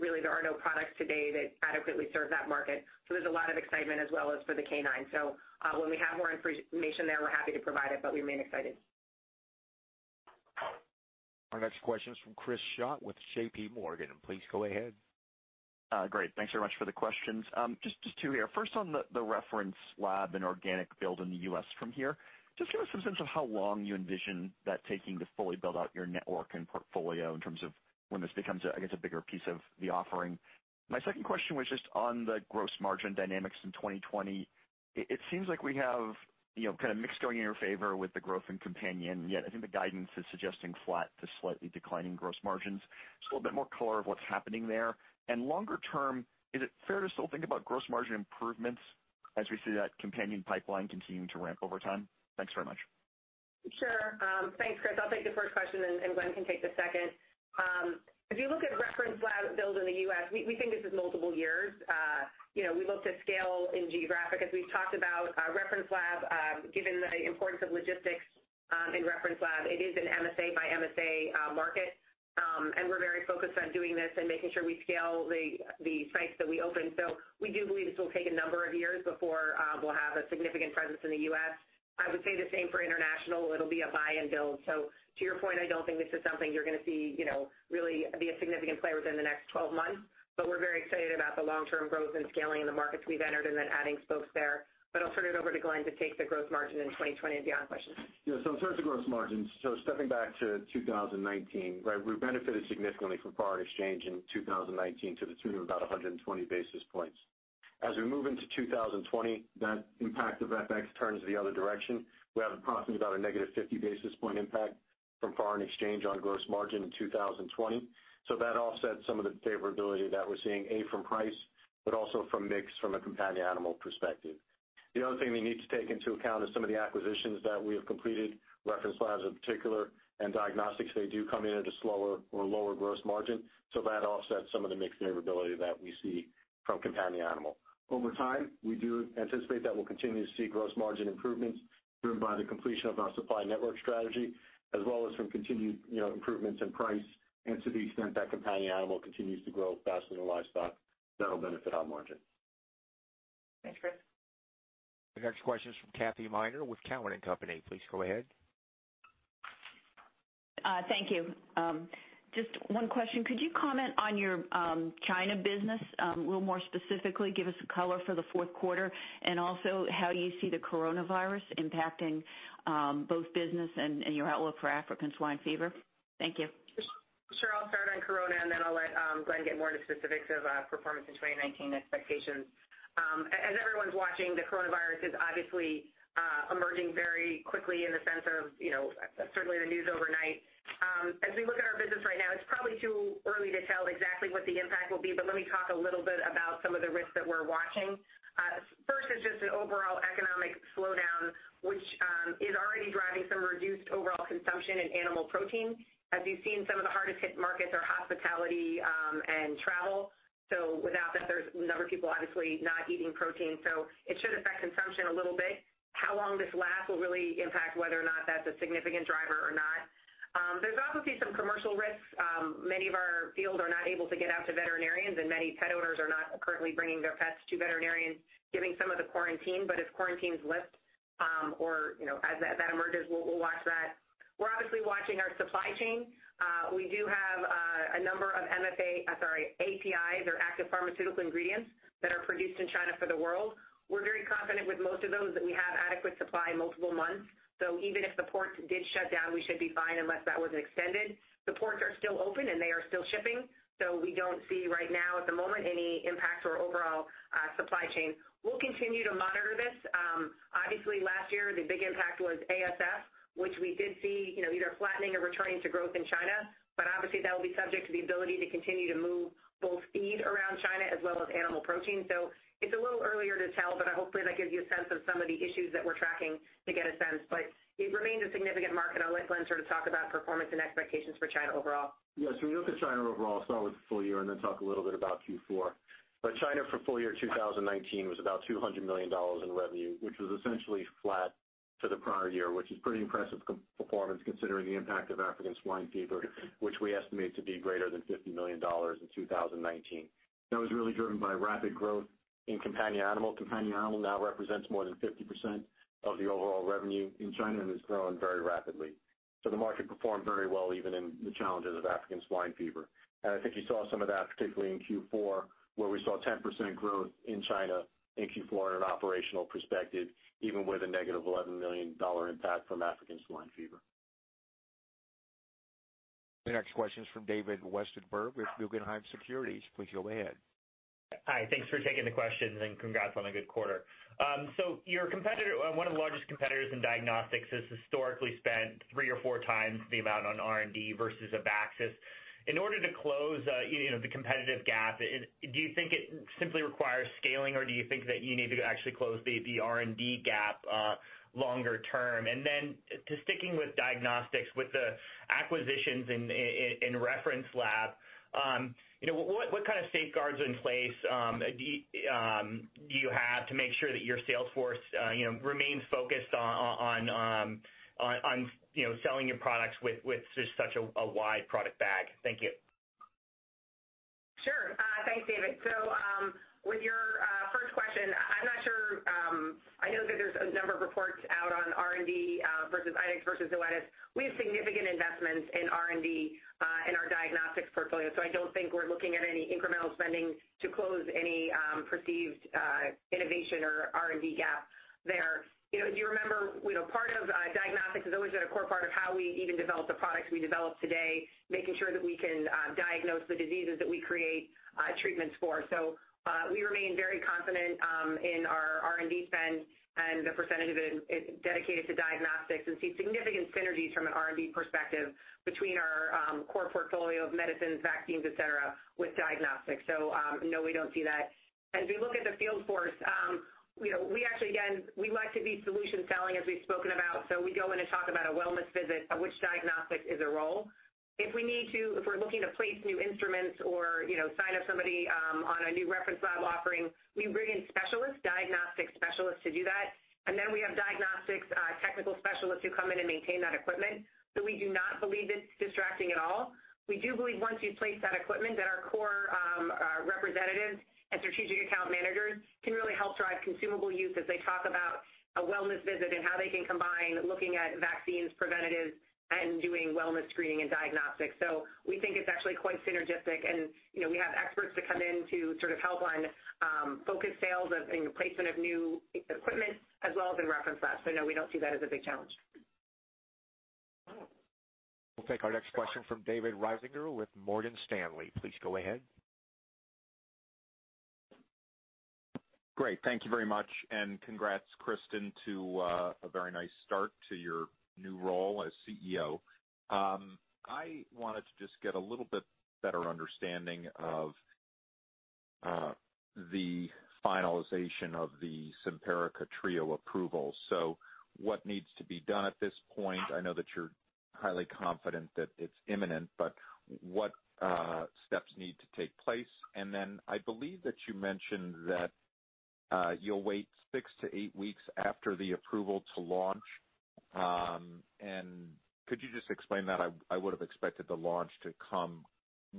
really, there are no products today that adequately serve that market. There's a lot of excitement as well as for the canine. When we have more information there, we're happy to provide it, but we remain excited. Our next question is from Chris Schott with JPMorgan. Please go ahead. Great. Thanks very much for the questions. Just two here. First, on the Reference Lab and organic build in the U.S. from here, just give us some sense of how long you envision that taking to fully build out your network and portfolio in terms of when this becomes, I guess, a bigger piece of the offering. My second question was just on the gross margin dynamics in 2020. It seems like we have kind of mix going in your favor with the growth in companion, yet I think the guidance is suggesting flat to slightly declining gross margins. Just a little bit more color of what's happening there. Longer term, is it fair to still think about gross margin improvements as we see that companion pipeline continuing to ramp over time? Thanks very much. Sure. Thanks, Chris. I'll take the first question, and Glenn can take the second. If you look at Reference Lab build in the U.S., we think this is multiple years. We looked at scale in geographic. As we've talked about Reference Lab, given the importance of logistics in Reference Lab, it is an MSA by MSA market. We're very focused on doing this and making sure we scale the sites that we open. We do believe this will take a number of years before we'll have a significant presence in the U.S. I would say the same for international. It'll be a buy and build. To your point, I don't think this is something you're going to see really be a significant player within the next 12 months, but we're very excited about the long-term growth and scaling in the markets we've entered and then adding spokes there. I'll turn it over to Glenn to take the gross margin in 2020 and beyond questions. In terms of gross margins, stepping back to 2019. We benefited significantly from foreign exchange in 2019 to the tune of about 120 basis points. As we move into 2020, that impact of FX turns the other direction. We have approximately a negative 50-basis-point impact from foreign exchange on gross margin in 2020. That offsets some of the favorability that we're seeing, A, from price, but also from mix from a companion animal perspective. The other thing we need to take into account is some of the acquisitions that we have completed, Reference Labs in particular, and diagnostics, they do come in at a slower or lower gross margin. That offsets some of the mix favorability that we see from companion animal. Over time, we do anticipate that we'll continue to see gross margin improvements driven by the completion of our supply network strategy, as well as from continued improvements in price. To the extent that companion animal continues to grow faster than livestock, that'll benefit our margin. Thanks, Chris. The next question is from Katy Miner with Cowen and Company. Please go ahead. Thank you. Just one question. Could you comment on your China business a little more specifically, give us color for the fourth quarter, and also how you see the coronavirus impacting both business and your outlook for African swine fever? Thank you. Sure. I'll start on corona, then I'll let Glenn get more into specifics of performance in 2019 expectations. As everyone's watching, the coronavirus is obviously emerging very quickly in the sense of certainly the news overnight. As we look at our business right now, it's probably too early to tell exactly what the impact will be, let me talk a little bit about some of the risks that we're watching. First is just an overall economic slowdown, which is already driving some reduced overall consumption in animal protein. As you've seen, some of the hardest-hit markets are hospitality and travel. Without that, there's a number of people obviously not eating protein, it should affect consumption a little bit. How long this lasts will really impact whether or not that's a significant driver or not. There's obviously some commercial risks. Many of our field are not able to get out to veterinarians, and many pet owners are not currently bringing their pets to veterinarians given some of the quarantine. As quarantines lift or as that emerges, we'll watch that. We're obviously watching our supply chain. We do have a number of APIs or active pharmaceutical ingredients that are produced in China for the world. We're very confident with most of those that we have adequate supply multiple months. Even if the ports did shut down, we should be fine unless that was extended. The ports are still open, and they are still shipping. We don't see right now at the moment any impact to our overall supply chain. We'll continue to monitor this. Obviously, last year, the big impact was ASF, which we did see either flattening or returning to growth in China. Obviously, that will be subject to the ability to continue to move both feed around China as well as animal protein. It's a little earlier to tell, but hopefully that gives you a sense of some of the issues that we're tracking to get a sense. It remains a significant market, and I'll let Glenn sort of talk about performance and expectations for China overall. Yeah. When you look at China overall, I'll start with the full year and then talk a little bit about Q4. China for full year 2019 was about $200 million in revenue, which was essentially flat to the prior year, which is pretty impressive performance considering the impact of African swine fever, which we estimate to be greater than $50 million in 2019. That was really driven by rapid growth in companion animal. Companion animal now represents more than 50% of the overall revenue in China and has grown very rapidly. The market performed very well, even in the challenges of African swine fever. I think you saw some of that, particularly in Q4, where we saw 10% growth in China in Q4 in an operational perspective, even with a -$11 million impact from African swine fever. The next question is from David Westenberg with Guggenheim Securities. Please go ahead. Hi. Thanks for taking the question. Congrats on a good quarter. One of the largest competitors in diagnostics has historically spent three or four times the amount on R&D versus Abaxis. In order to close the competitive gap, do you think it simply requires scaling, or do you think that you need to actually close the R&D gap longer term? To sticking with diagnostics, with the acquisitions in Reference Lab, what kind of safeguards are in place do you have to make sure that your sales force remains focused on selling your products with such a wide product bag? Thank you. Sure. Thanks, David. With your first question, I know that there's a number of reports out on R&D versus IDEXX versus Zoetis. We have significant investments in R&D, in our diagnostics portfolio, so I don't think we're looking at any incremental spending to close any perceived innovation or R&D gap there. As you remember, part of diagnostics has always been a core part of how we even develop the products we develop today, making sure that we can diagnose the diseases that we create treatments for. We remain very confident in our R&D spend and the percentage of it dedicated to diagnostics and see significant synergies from an R&D perspective between our core portfolio of medicines, vaccines, et cetera, with diagnostics. No, we don't see that. As we look at the field force, we actually, again, we like to be solution selling, as we've spoken about. We go in and talk about a wellness visit of which diagnostic is a role. If we're looking to place new instruments or sign up somebody on a new Reference Lab offering, we bring in specialists, diagnostic specialists to do that, and then we have diagnostics technical specialists who come in and maintain that equipment. We do not believe it's distracting at all. We do believe once you place that equipment, that our core representatives and strategic account managers can really help drive consumable use as they talk about a wellness visit and how they can combine looking at vaccines, preventatives, and doing wellness screening and diagnostics. We think it's actually quite synergistic, and we have experts to come in to sort of help on focus sales and placement of new equipment as well as in Reference Lab. No, we don't see that as a big challenge. We'll take our next question from David Risinger with Morgan Stanley. Please go ahead. Great. Thank you very much, and congrats, Kristin, to a very nice start to your new role as Chief Executive Officer. I wanted to just get a little bit better understanding of the finalization of the Simparica Trio approval. What needs to be done at this point? I know that you're highly confident that it's imminent, but what steps need to take place? Then I believe that you mentioned that you'll wait six to eight weeks after the approval to launch. Could you just explain that? I would've expected the launch to come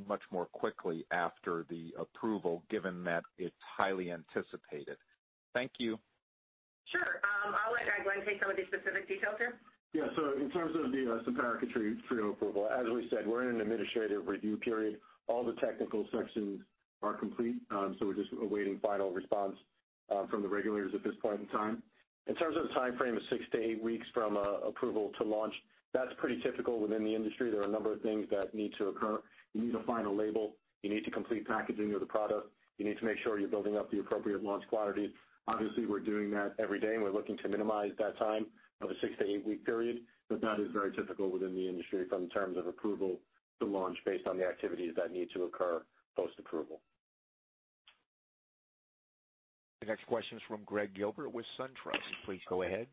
much more quickly after the approval, given that it's highly anticipated. Thank you. Sure. I'll let Glenn take some of the specific details here. In terms of the Simparica Trio approval, as we said, we're in an administrative review period. All the technical sections are complete. We're just awaiting final response from the regulators at this point in time. In terms of the timeframe of six to eight weeks from approval to launch, that's pretty typical within the industry. There are a number of things that need to occur. You need a final label. You need to complete packaging of the product. You need to make sure you're building up the appropriate launch quantities. Obviously, we're doing that every day, and we're looking to minimize that time of a six to eight-week period, but that is very typical within the industry from terms of approval to launch based on the activities that need to occur post-approval. The next question is from Gregg Gilbert with SunTrust. Please go ahead.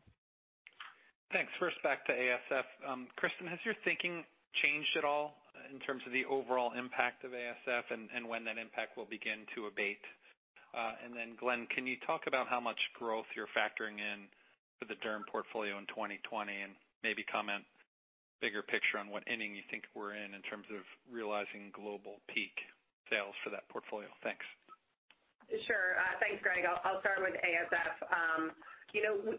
Thanks. First, back to ASF. Kristin, has your thinking changed at all in terms of the overall impact of ASF and when that impact will begin to abate? Glenn, can you talk about how much growth you're factoring in for the derm portfolio in 2020 and maybe comment bigger picture on what inning you think we're in terms of realizing global peak sales for that portfolio? Thanks. Sure. Thanks, Gregg. I'll start with ASF.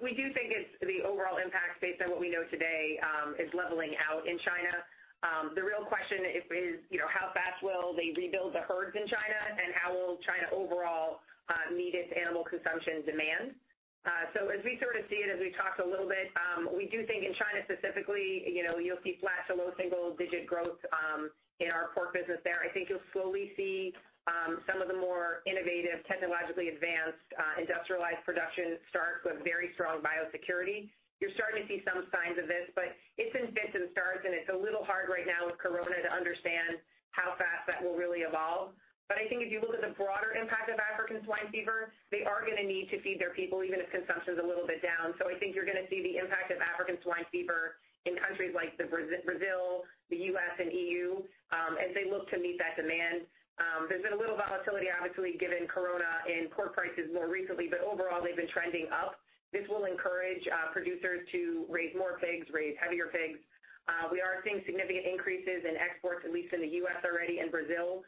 We do think the overall impact based on what we know today, is leveling out in China. The real question is how fast will they rebuild the herds in China, and how will China overall meet its animal consumption demand? As we sort of see it, as we talked a little bit, we do think in China specifically, you'll see flat to low single-digit growth in our pork business there. I think you'll slowly see some of the more innovative, technologically advanced industrialized production start with very strong biosecurity. You're starting to see some signs of this, but it's in fits and starts, and it's a little hard right now with Corona to understand how fast that will really evolve. I think if you look at the broader impact of African swine fever, they are going to need to feed their people, even if consumption's a little bit down. I think you're going to see the impact of African swine fever in countries like Brazil, the U.S., and EU, as they look to meet that demand. There's been a little volatility, obviously, given Corona and pork prices more recently, but overall, they've been trending up. This will encourage producers to raise more pigs, raise heavier pigs. We are seeing significant increases in exports, at least in the U.S. already and Brazil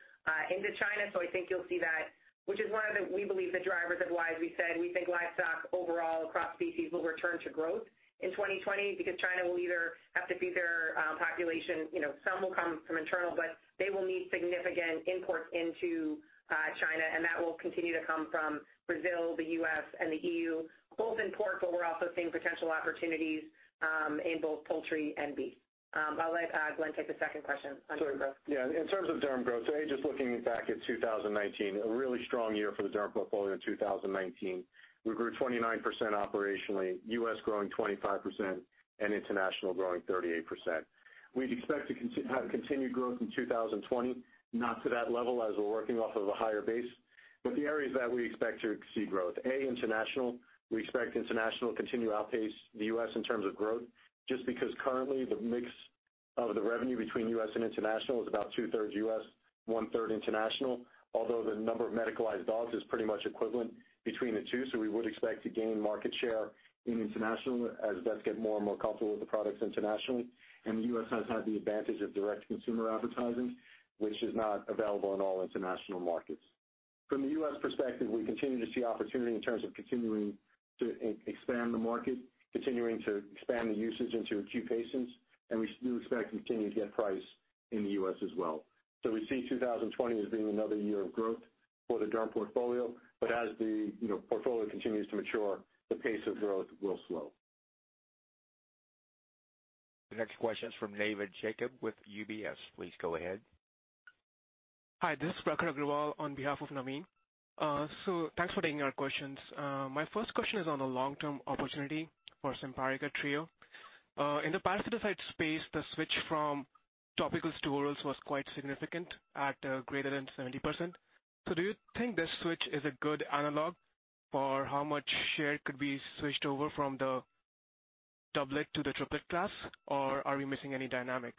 into China. I think you'll see that, which is one of the, we believe the drivers of why, as we said, we think livestock overall across species will return to growth in 2020 because China will either have to feed their population, some will come from internal, but they will need significant imports into China, and that will continue to come from Brazil, the U.S., and the EU, both in pork, but we're also seeing potential opportunities in both poultry and beef. I'll let Glenn take the second question on derm growth. In terms of derm growth, just looking back at 2019, a really strong year for the derm portfolio in 2019. We grew 29% operationally, U.S. growing 25%, and international growing 38%. We'd expect to have continued growth in 2020, not to that level as we're working off of a higher base, but the areas that we expect to see growth, international. We expect international to continue to outpace the U.S. in terms of growth, just because currently the mix of the revenue between U.S. and international is about two-thirds U.S., one-third international, although the number of medicalized dogs is pretty much equivalent between the two. We would expect to gain market share in international as vets get more and more comfortable with the products internationally. The U.S. has had the advantage of direct consumer advertising, which is not available in all international markets. From the U.S. perspective, we continue to see opportunity in terms of continuing to expand the market, continuing to expand the usage into acute patients, and we do expect to continue to get price in the U.S. as well. We see 2020 as being another year of growth for the derm portfolio, but as the portfolio continues to mature, the pace of growth will slow. The next question's from Navin Jacob with UBS. Please go ahead. Hi, this is Prakhar Agrawal on behalf of Navin. Thanks for taking our questions. My first question is on the long-term opportunity for Simparica Trio. In the parasiticide space, the switch from topical to orals was quite significant at greater than 70%. Do you think this switch is a good analog for how much share could be switched over from the doublet to the triplet class? Are we missing any dynamic?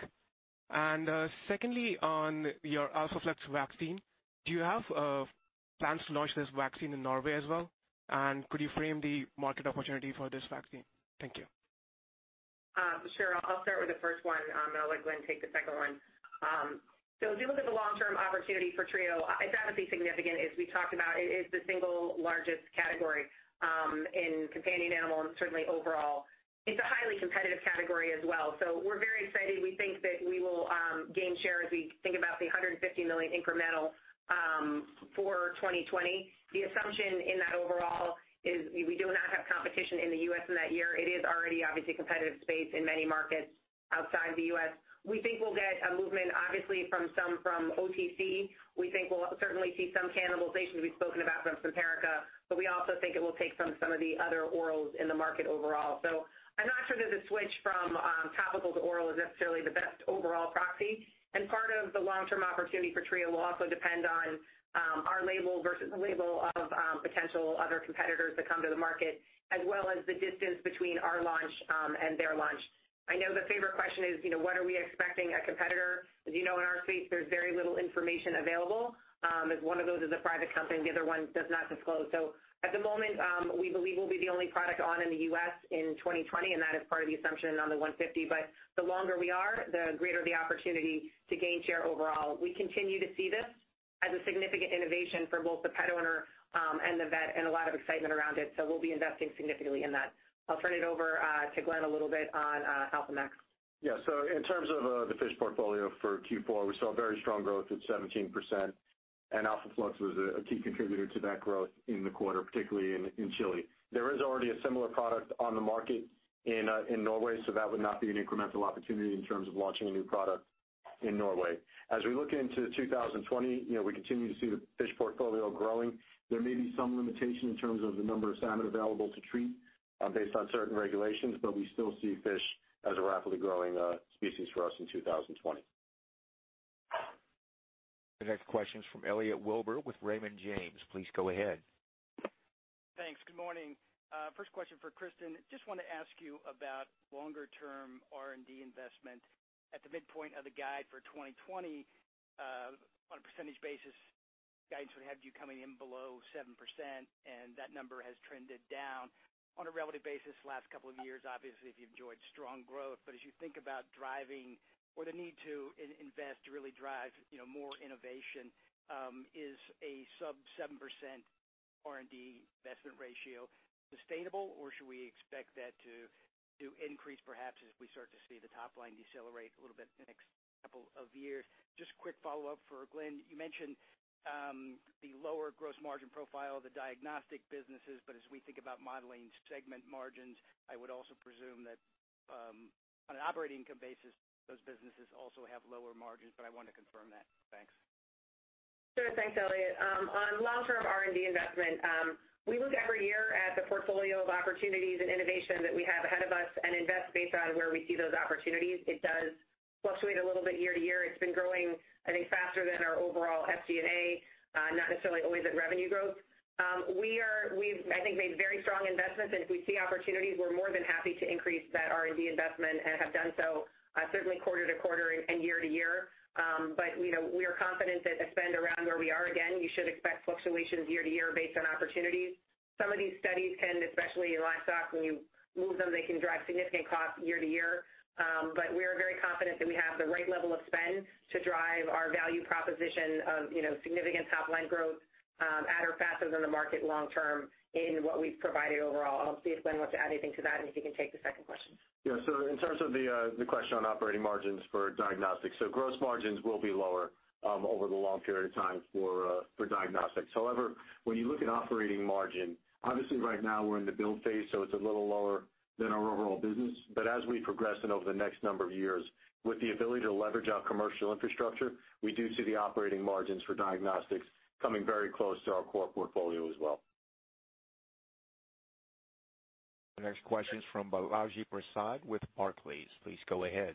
Secondly, on your Alpha Flux vaccine, do you have plans to launch this vaccine in Norway as well? Could you frame the market opportunity for this vaccine? Thank you. Sure. I'll start with the first one, and I'll let Glenn take the second one. As we look at the long-term opportunity for Trio, it's obviously significant. As we talked about, it is the single largest category in companion animal and certainly overall. It's a highly competitive category as well. We're very excited. We think that we will gain share as we think about the $150 million incremental for 2020. The assumption in that overall is we do not have competition in the U.S. in that year. It is already obviously a competitive space in many markets outside the U.S. We think we'll get a movement, obviously from some from OTC. We think we'll certainly see some cannibalization we've spoken about from Simparica, we also think it will take from some of the other orals in the market overall. I'm not sure that the switch from topical to oral is necessarily the best overall proxy, and part of the long-term opportunity for Trio will also depend on our label versus the label of potential other competitors that come to the market, as well as the distance between our launch and their launch. I know the favorite question is, when are we expecting a competitor? As you know, in our space, there's very little information available, as one of those is a private company and the other one does not disclose. At the moment, we believe we'll be the only product on in the U.S. in 2020, and that is part of the assumption on the 150, but the longer we are, the greater the opportunity to gain share overall. We continue to see this as a significant innovation for both the pet owner and the vet and a lot of excitement around it, so we'll be investing significantly in that. I'll turn it over to Glenn a little bit on Alpha Flux. Yeah. In terms of the fish portfolio for Q4, we saw very strong growth at 17%, and Alpha Flux was a key contributor to that growth in the quarter, particularly in Chile. There is already a similar product on the market in Norway; that would not be an incremental opportunity in terms of launching a new product in Norway. As we look into 2020, we continue to see the fish portfolio growing. There may be some limitation in terms of the number of salmon available to treat based on certain regulations, but we still see fish as a rapidly growing species for us in 2020. The next question's from Elliot Wilbur with Raymond James. Please go ahead. Thanks. Good morning. First question for Kristin. Just want to ask you about longer-term R&D investment. At the midpoint of the guide for 2020, on a percentage basis, guidance would have you coming in below 7%, and that number has trended down. On a relative basis the last couple of years, obviously, if you've enjoyed strong growth, but as you think about driving or the need to invest to really drive more innovation, is a sub 7% R&D investment ratio sustainable, or should we expect that to increase perhaps as we start to see the top line decelerate a little bit in the next couple of years? Just a quick follow-up for Glenn. You mentioned the lower gross margin profile of the diagnostic businesses, but as we think about modeling segment margins, I would also presume that on an operating income basis, those businesses also have lower margins, but I wanted to confirm that. Thanks. Sure. Thanks, Elliot. On long-term R&D investment, we look every year at the portfolio of opportunities and innovation that we have ahead of us and invest based on where we see those opportunities. It does fluctuate a little bit year-to-year. It's been growing, I think, faster than our overall SG&A, not necessarily always at revenue growth. We've, I think, made very strong investments, and if we see opportunities, we're more than happy to increase that R&D investment and have done so certainly quarter-to-quarter and year-to-year. We are confident that the spend around where we are, again, you should expect fluctuations year-to-year based on opportunities. Some of these studies can, especially in livestock, when you move them, they can drive significant costs year-to-year. We are very confident that we have the right level of spend to drive our value proposition of significant top-line growth at or faster than the market long term in what we've provided overall. I'll see if Glenn wants to add anything to that, and if he can take the second question. Yeah. In terms of the question on operating margins for diagnostics. Gross margins will be lower over the long period of time for diagnostics. However, when you look at operating margin, obviously right now we're in the build phase, so it's a little lower than our overall business. As we progress and over the next number of years, with the ability to leverage our commercial infrastructure, we do see the operating margins for diagnostics coming very close to our core portfolio as well. The next question is from Balaji Prasad with Barclays. Please go ahead.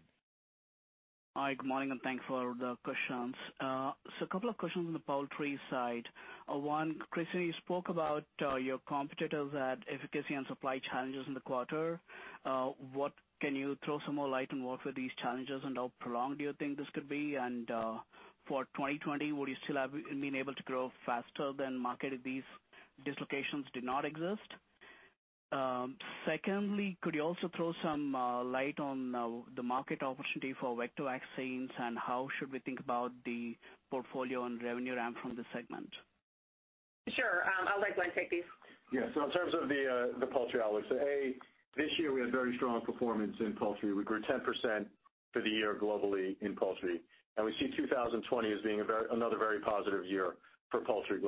Hi, good morning. Thanks for the questions. A couple of questions on the poultry side. One, Kristin, you spoke about your competitors at efficacy and supply challenges in the quarter. Can you throw some more light on what were these challenges and how prolonged do you think this could be? For 2020, would you still have been able to grow faster than market if these dislocations did not exist? Secondly, could you also throw some light on the market opportunity for vector vaccines, and how should we think about the portfolio and revenue RAM from the segment? Sure. I'll let Glenn take these. In terms of the poultry, I would say, this year we had very strong performance in poultry. We grew 10% for the year globally in poultry, and we see 2020 as being another very positive year for poultry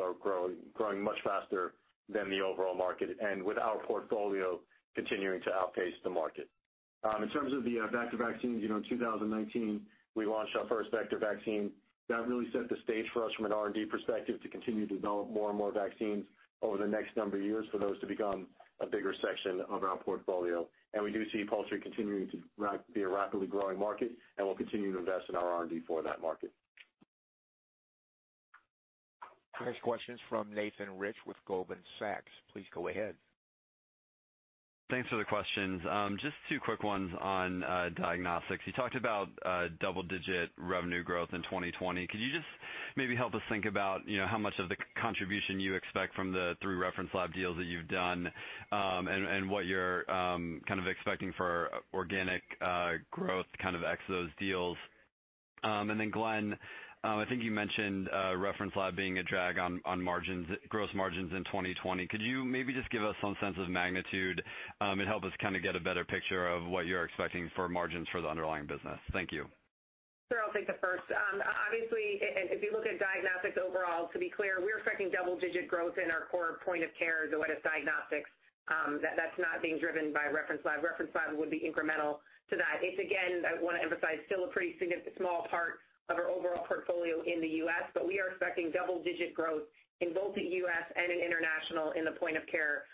growing much faster than the overall market, and with our portfolio continuing to outpace the market. In terms of the vector vaccines, in 2019, we launched our first vector vaccine. That really set the stage for us from an R&D perspective to continue to develop more and more vaccines over the next number of years for those to become a bigger section of our portfolio. We do see poultry continuing to be a rapidly growing market, and we'll continue to invest in our R&D for that market. Next question's from Nathan Rich with Goldman Sachs. Please go ahead. Thanks for the questions. Just two quick ones on diagnostics. You talked about double-digit revenue growth in 2020. Could you just maybe help us think about how much of the contribution you expect from the three Reference Lab deals that you've done, and what you're expecting for organic growth ex those deals? Glenn, I think you mentioned Reference Lab being a drag on gross margins in 2020. Could you maybe just give us some sense of magnitude and help us get a better picture of what you're expecting for margins for the underlying business? Thank you. Sure. I'll take the first. Obviously, if you look at diagnostics overall, to be clear, we're expecting double-digit growth in our core point-of-care Zoetis diagnostics. That's not being driven by Reference Lab. Reference Lab would be incremental to that. It's, again, I want to emphasize, still a pretty small part of our overall portfolio in the U.S., but we are expecting double-digit growth in both the U.S. and in international in the point-of-care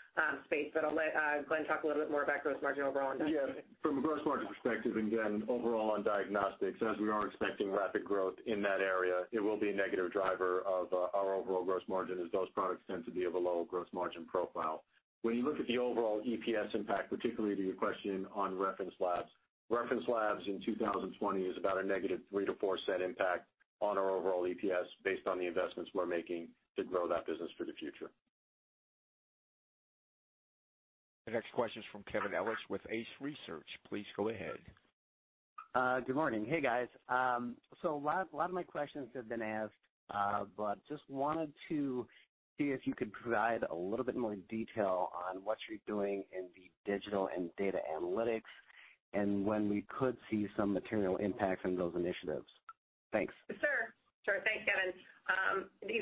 space. I'll let Glenn talk a little bit more about gross margin overall on diagnostics. Yeah. From a gross margin perspective, again, overall on diagnostics, as we are expecting rapid growth in that area, it will be a negative driver of our overall gross margin as those products tend to be of a lower gross margin profile. When you look at the overall EPS impact, particularly to your question on Reference Labs, Reference Labs in 2020 is about a -$0.03 to -$0.04 impact on our overall EPS based on the investments we're making to grow that business for the future. The next question's from Kevin Ellich with Ace Research. Please go ahead. Good morning. Hey, guys. A lot of my questions have been asked, but just wanted to see if you could provide a little bit more detail on what you're doing in the digital and data analytics, and when we could see some material impact from those initiatives. Thanks. Sure. Thanks, Kevin.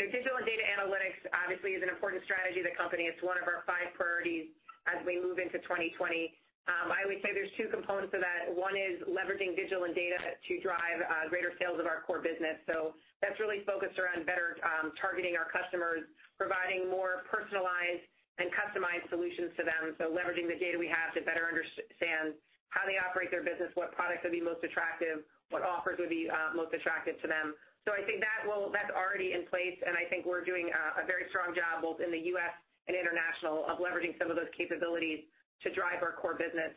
Digital and data analytics obviously is an important strategy of the company. It's one of our five priorities as we move into 2020. I would say there's two components of that. One is leveraging digital and data to drive greater sales of our core business. That's really focused around better targeting our customers, providing more personalized and customized solutions to them. Leveraging the data we have to better understand how they operate their business, what products would be most attractive, what offers would be most attractive to them. I think that's already in place, and I think we're doing a very strong job, both in the U.S. and international, of leveraging some of those capabilities to drive our core business.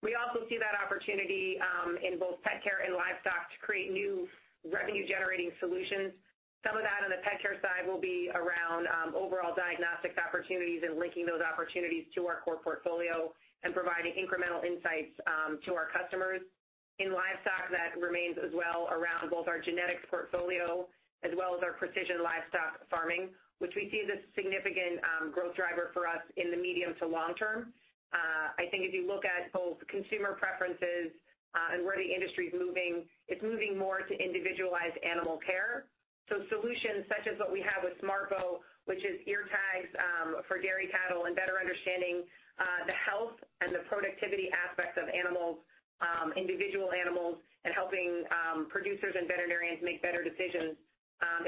We also see that opportunity in both pet care and livestock to create new revenue-generating solutions. Some of that on the pet care side will be around overall diagnostics opportunities and linking those opportunities to our core portfolio and providing incremental insights to our customers. In livestock, that remains as well around both our genetics portfolio as well as our precision livestock farming, which we see as a significant growth driver for us in the medium to long term. I think if you look at both consumer preferences and where the industry's moving, it's moving more to individualized animal care. Solutions such as what we have with SmartBow, which is ear tags for dairy cattle and better understanding the health and the productivity aspects of individual animals and helping producers and veterinarians make better decisions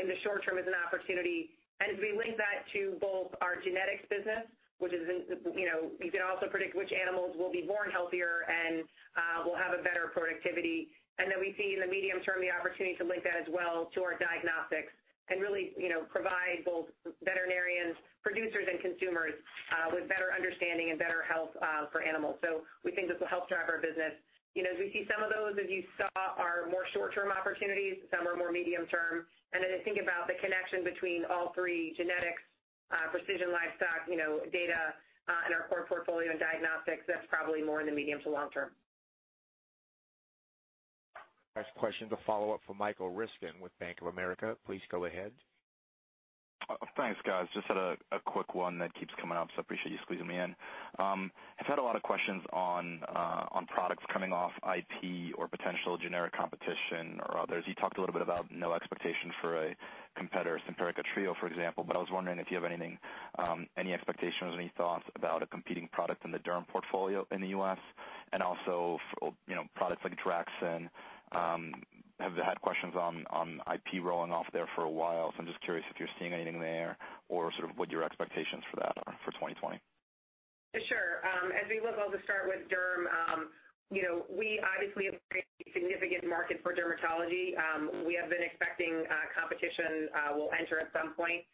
in the short term is an opportunity. As we link that to both our genetics business, which you can also predict which animals will be born healthier and will have a better productivity. We see in the medium term the opportunity to link that as well to our diagnostics. And really provide both veterinarians, producers, and consumers with better understanding and better health for animals. We think this will help drive our business. As we see some of those, as you saw, are more short-term opportunities, some are more medium-term. I think about the connection between all three genetics, precision livestock, data and our core portfolio and diagnostics, that's probably more in the medium to long term. Next question to follow-up from Michael Ryskin with Bank of America. Please go ahead. Thanks, guys. Just had a quick one that keeps coming up, so appreciate you squeezing me in. I've had a lot of questions on products coming off IP or potential generic competition or others. You talked a little bit about no expectation for a competitor, Simparica Trio, for example, but I was wondering if you have any expectations or any thoughts about a competing product in the derm portfolio in the U.S. and also for products like Draxxin. Have had questions on IP rolling off there for a while, so I'm just curious if you're seeing anything there or sort of what your expectations for that are for 2020. Sure. As we look, I'll just start with derm. We obviously have a pretty significant market for dermatology. We have been expecting competition will enter at some point.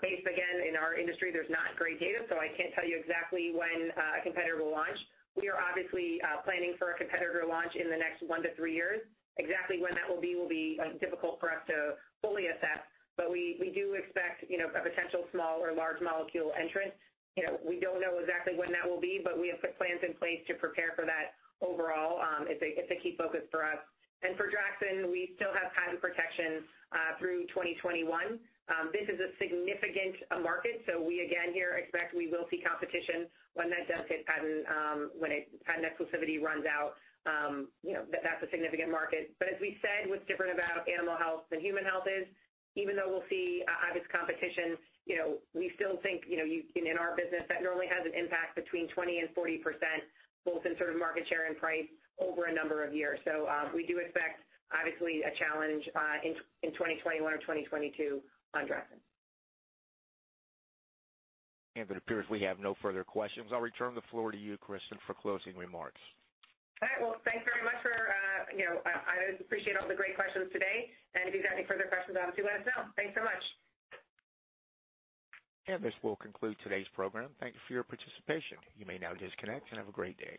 Based, again, in our industry, there's not great data, so I can't tell you exactly when a competitor will launch. We are obviously planning for a competitor launch in the next one to three years. Exactly when that will be will be difficult for us to fully assess, but we do expect a potential small or large molecule entrant. We don't know exactly when that will be, but we have put plans in place to prepare for that. Overall, it's a key focus for us. For Draxxin, we still have patent protection through 2021. This is a significant market, so we again here expect we will see competition when that does hit patent, when patent exclusivity runs out. That's a significant market. As we've said, what's different about animal health and human health is even though we'll see obvious competition, we still think in our business, that normally has an impact between 20% and 40%, both in sort of market share and price over a number of years. We do expect, obviously, a challenge in 2021 or 2022 on Draxxin. It appears we have no further questions. I'll return the floor to you, Kristin, for closing remarks. All right. Well, thanks very much for I appreciate all the great questions today. If you guys have any further questions, obviously let us know. Thanks so much. This will conclude today's program. Thank you for your participation. You may now disconnect and have a great day.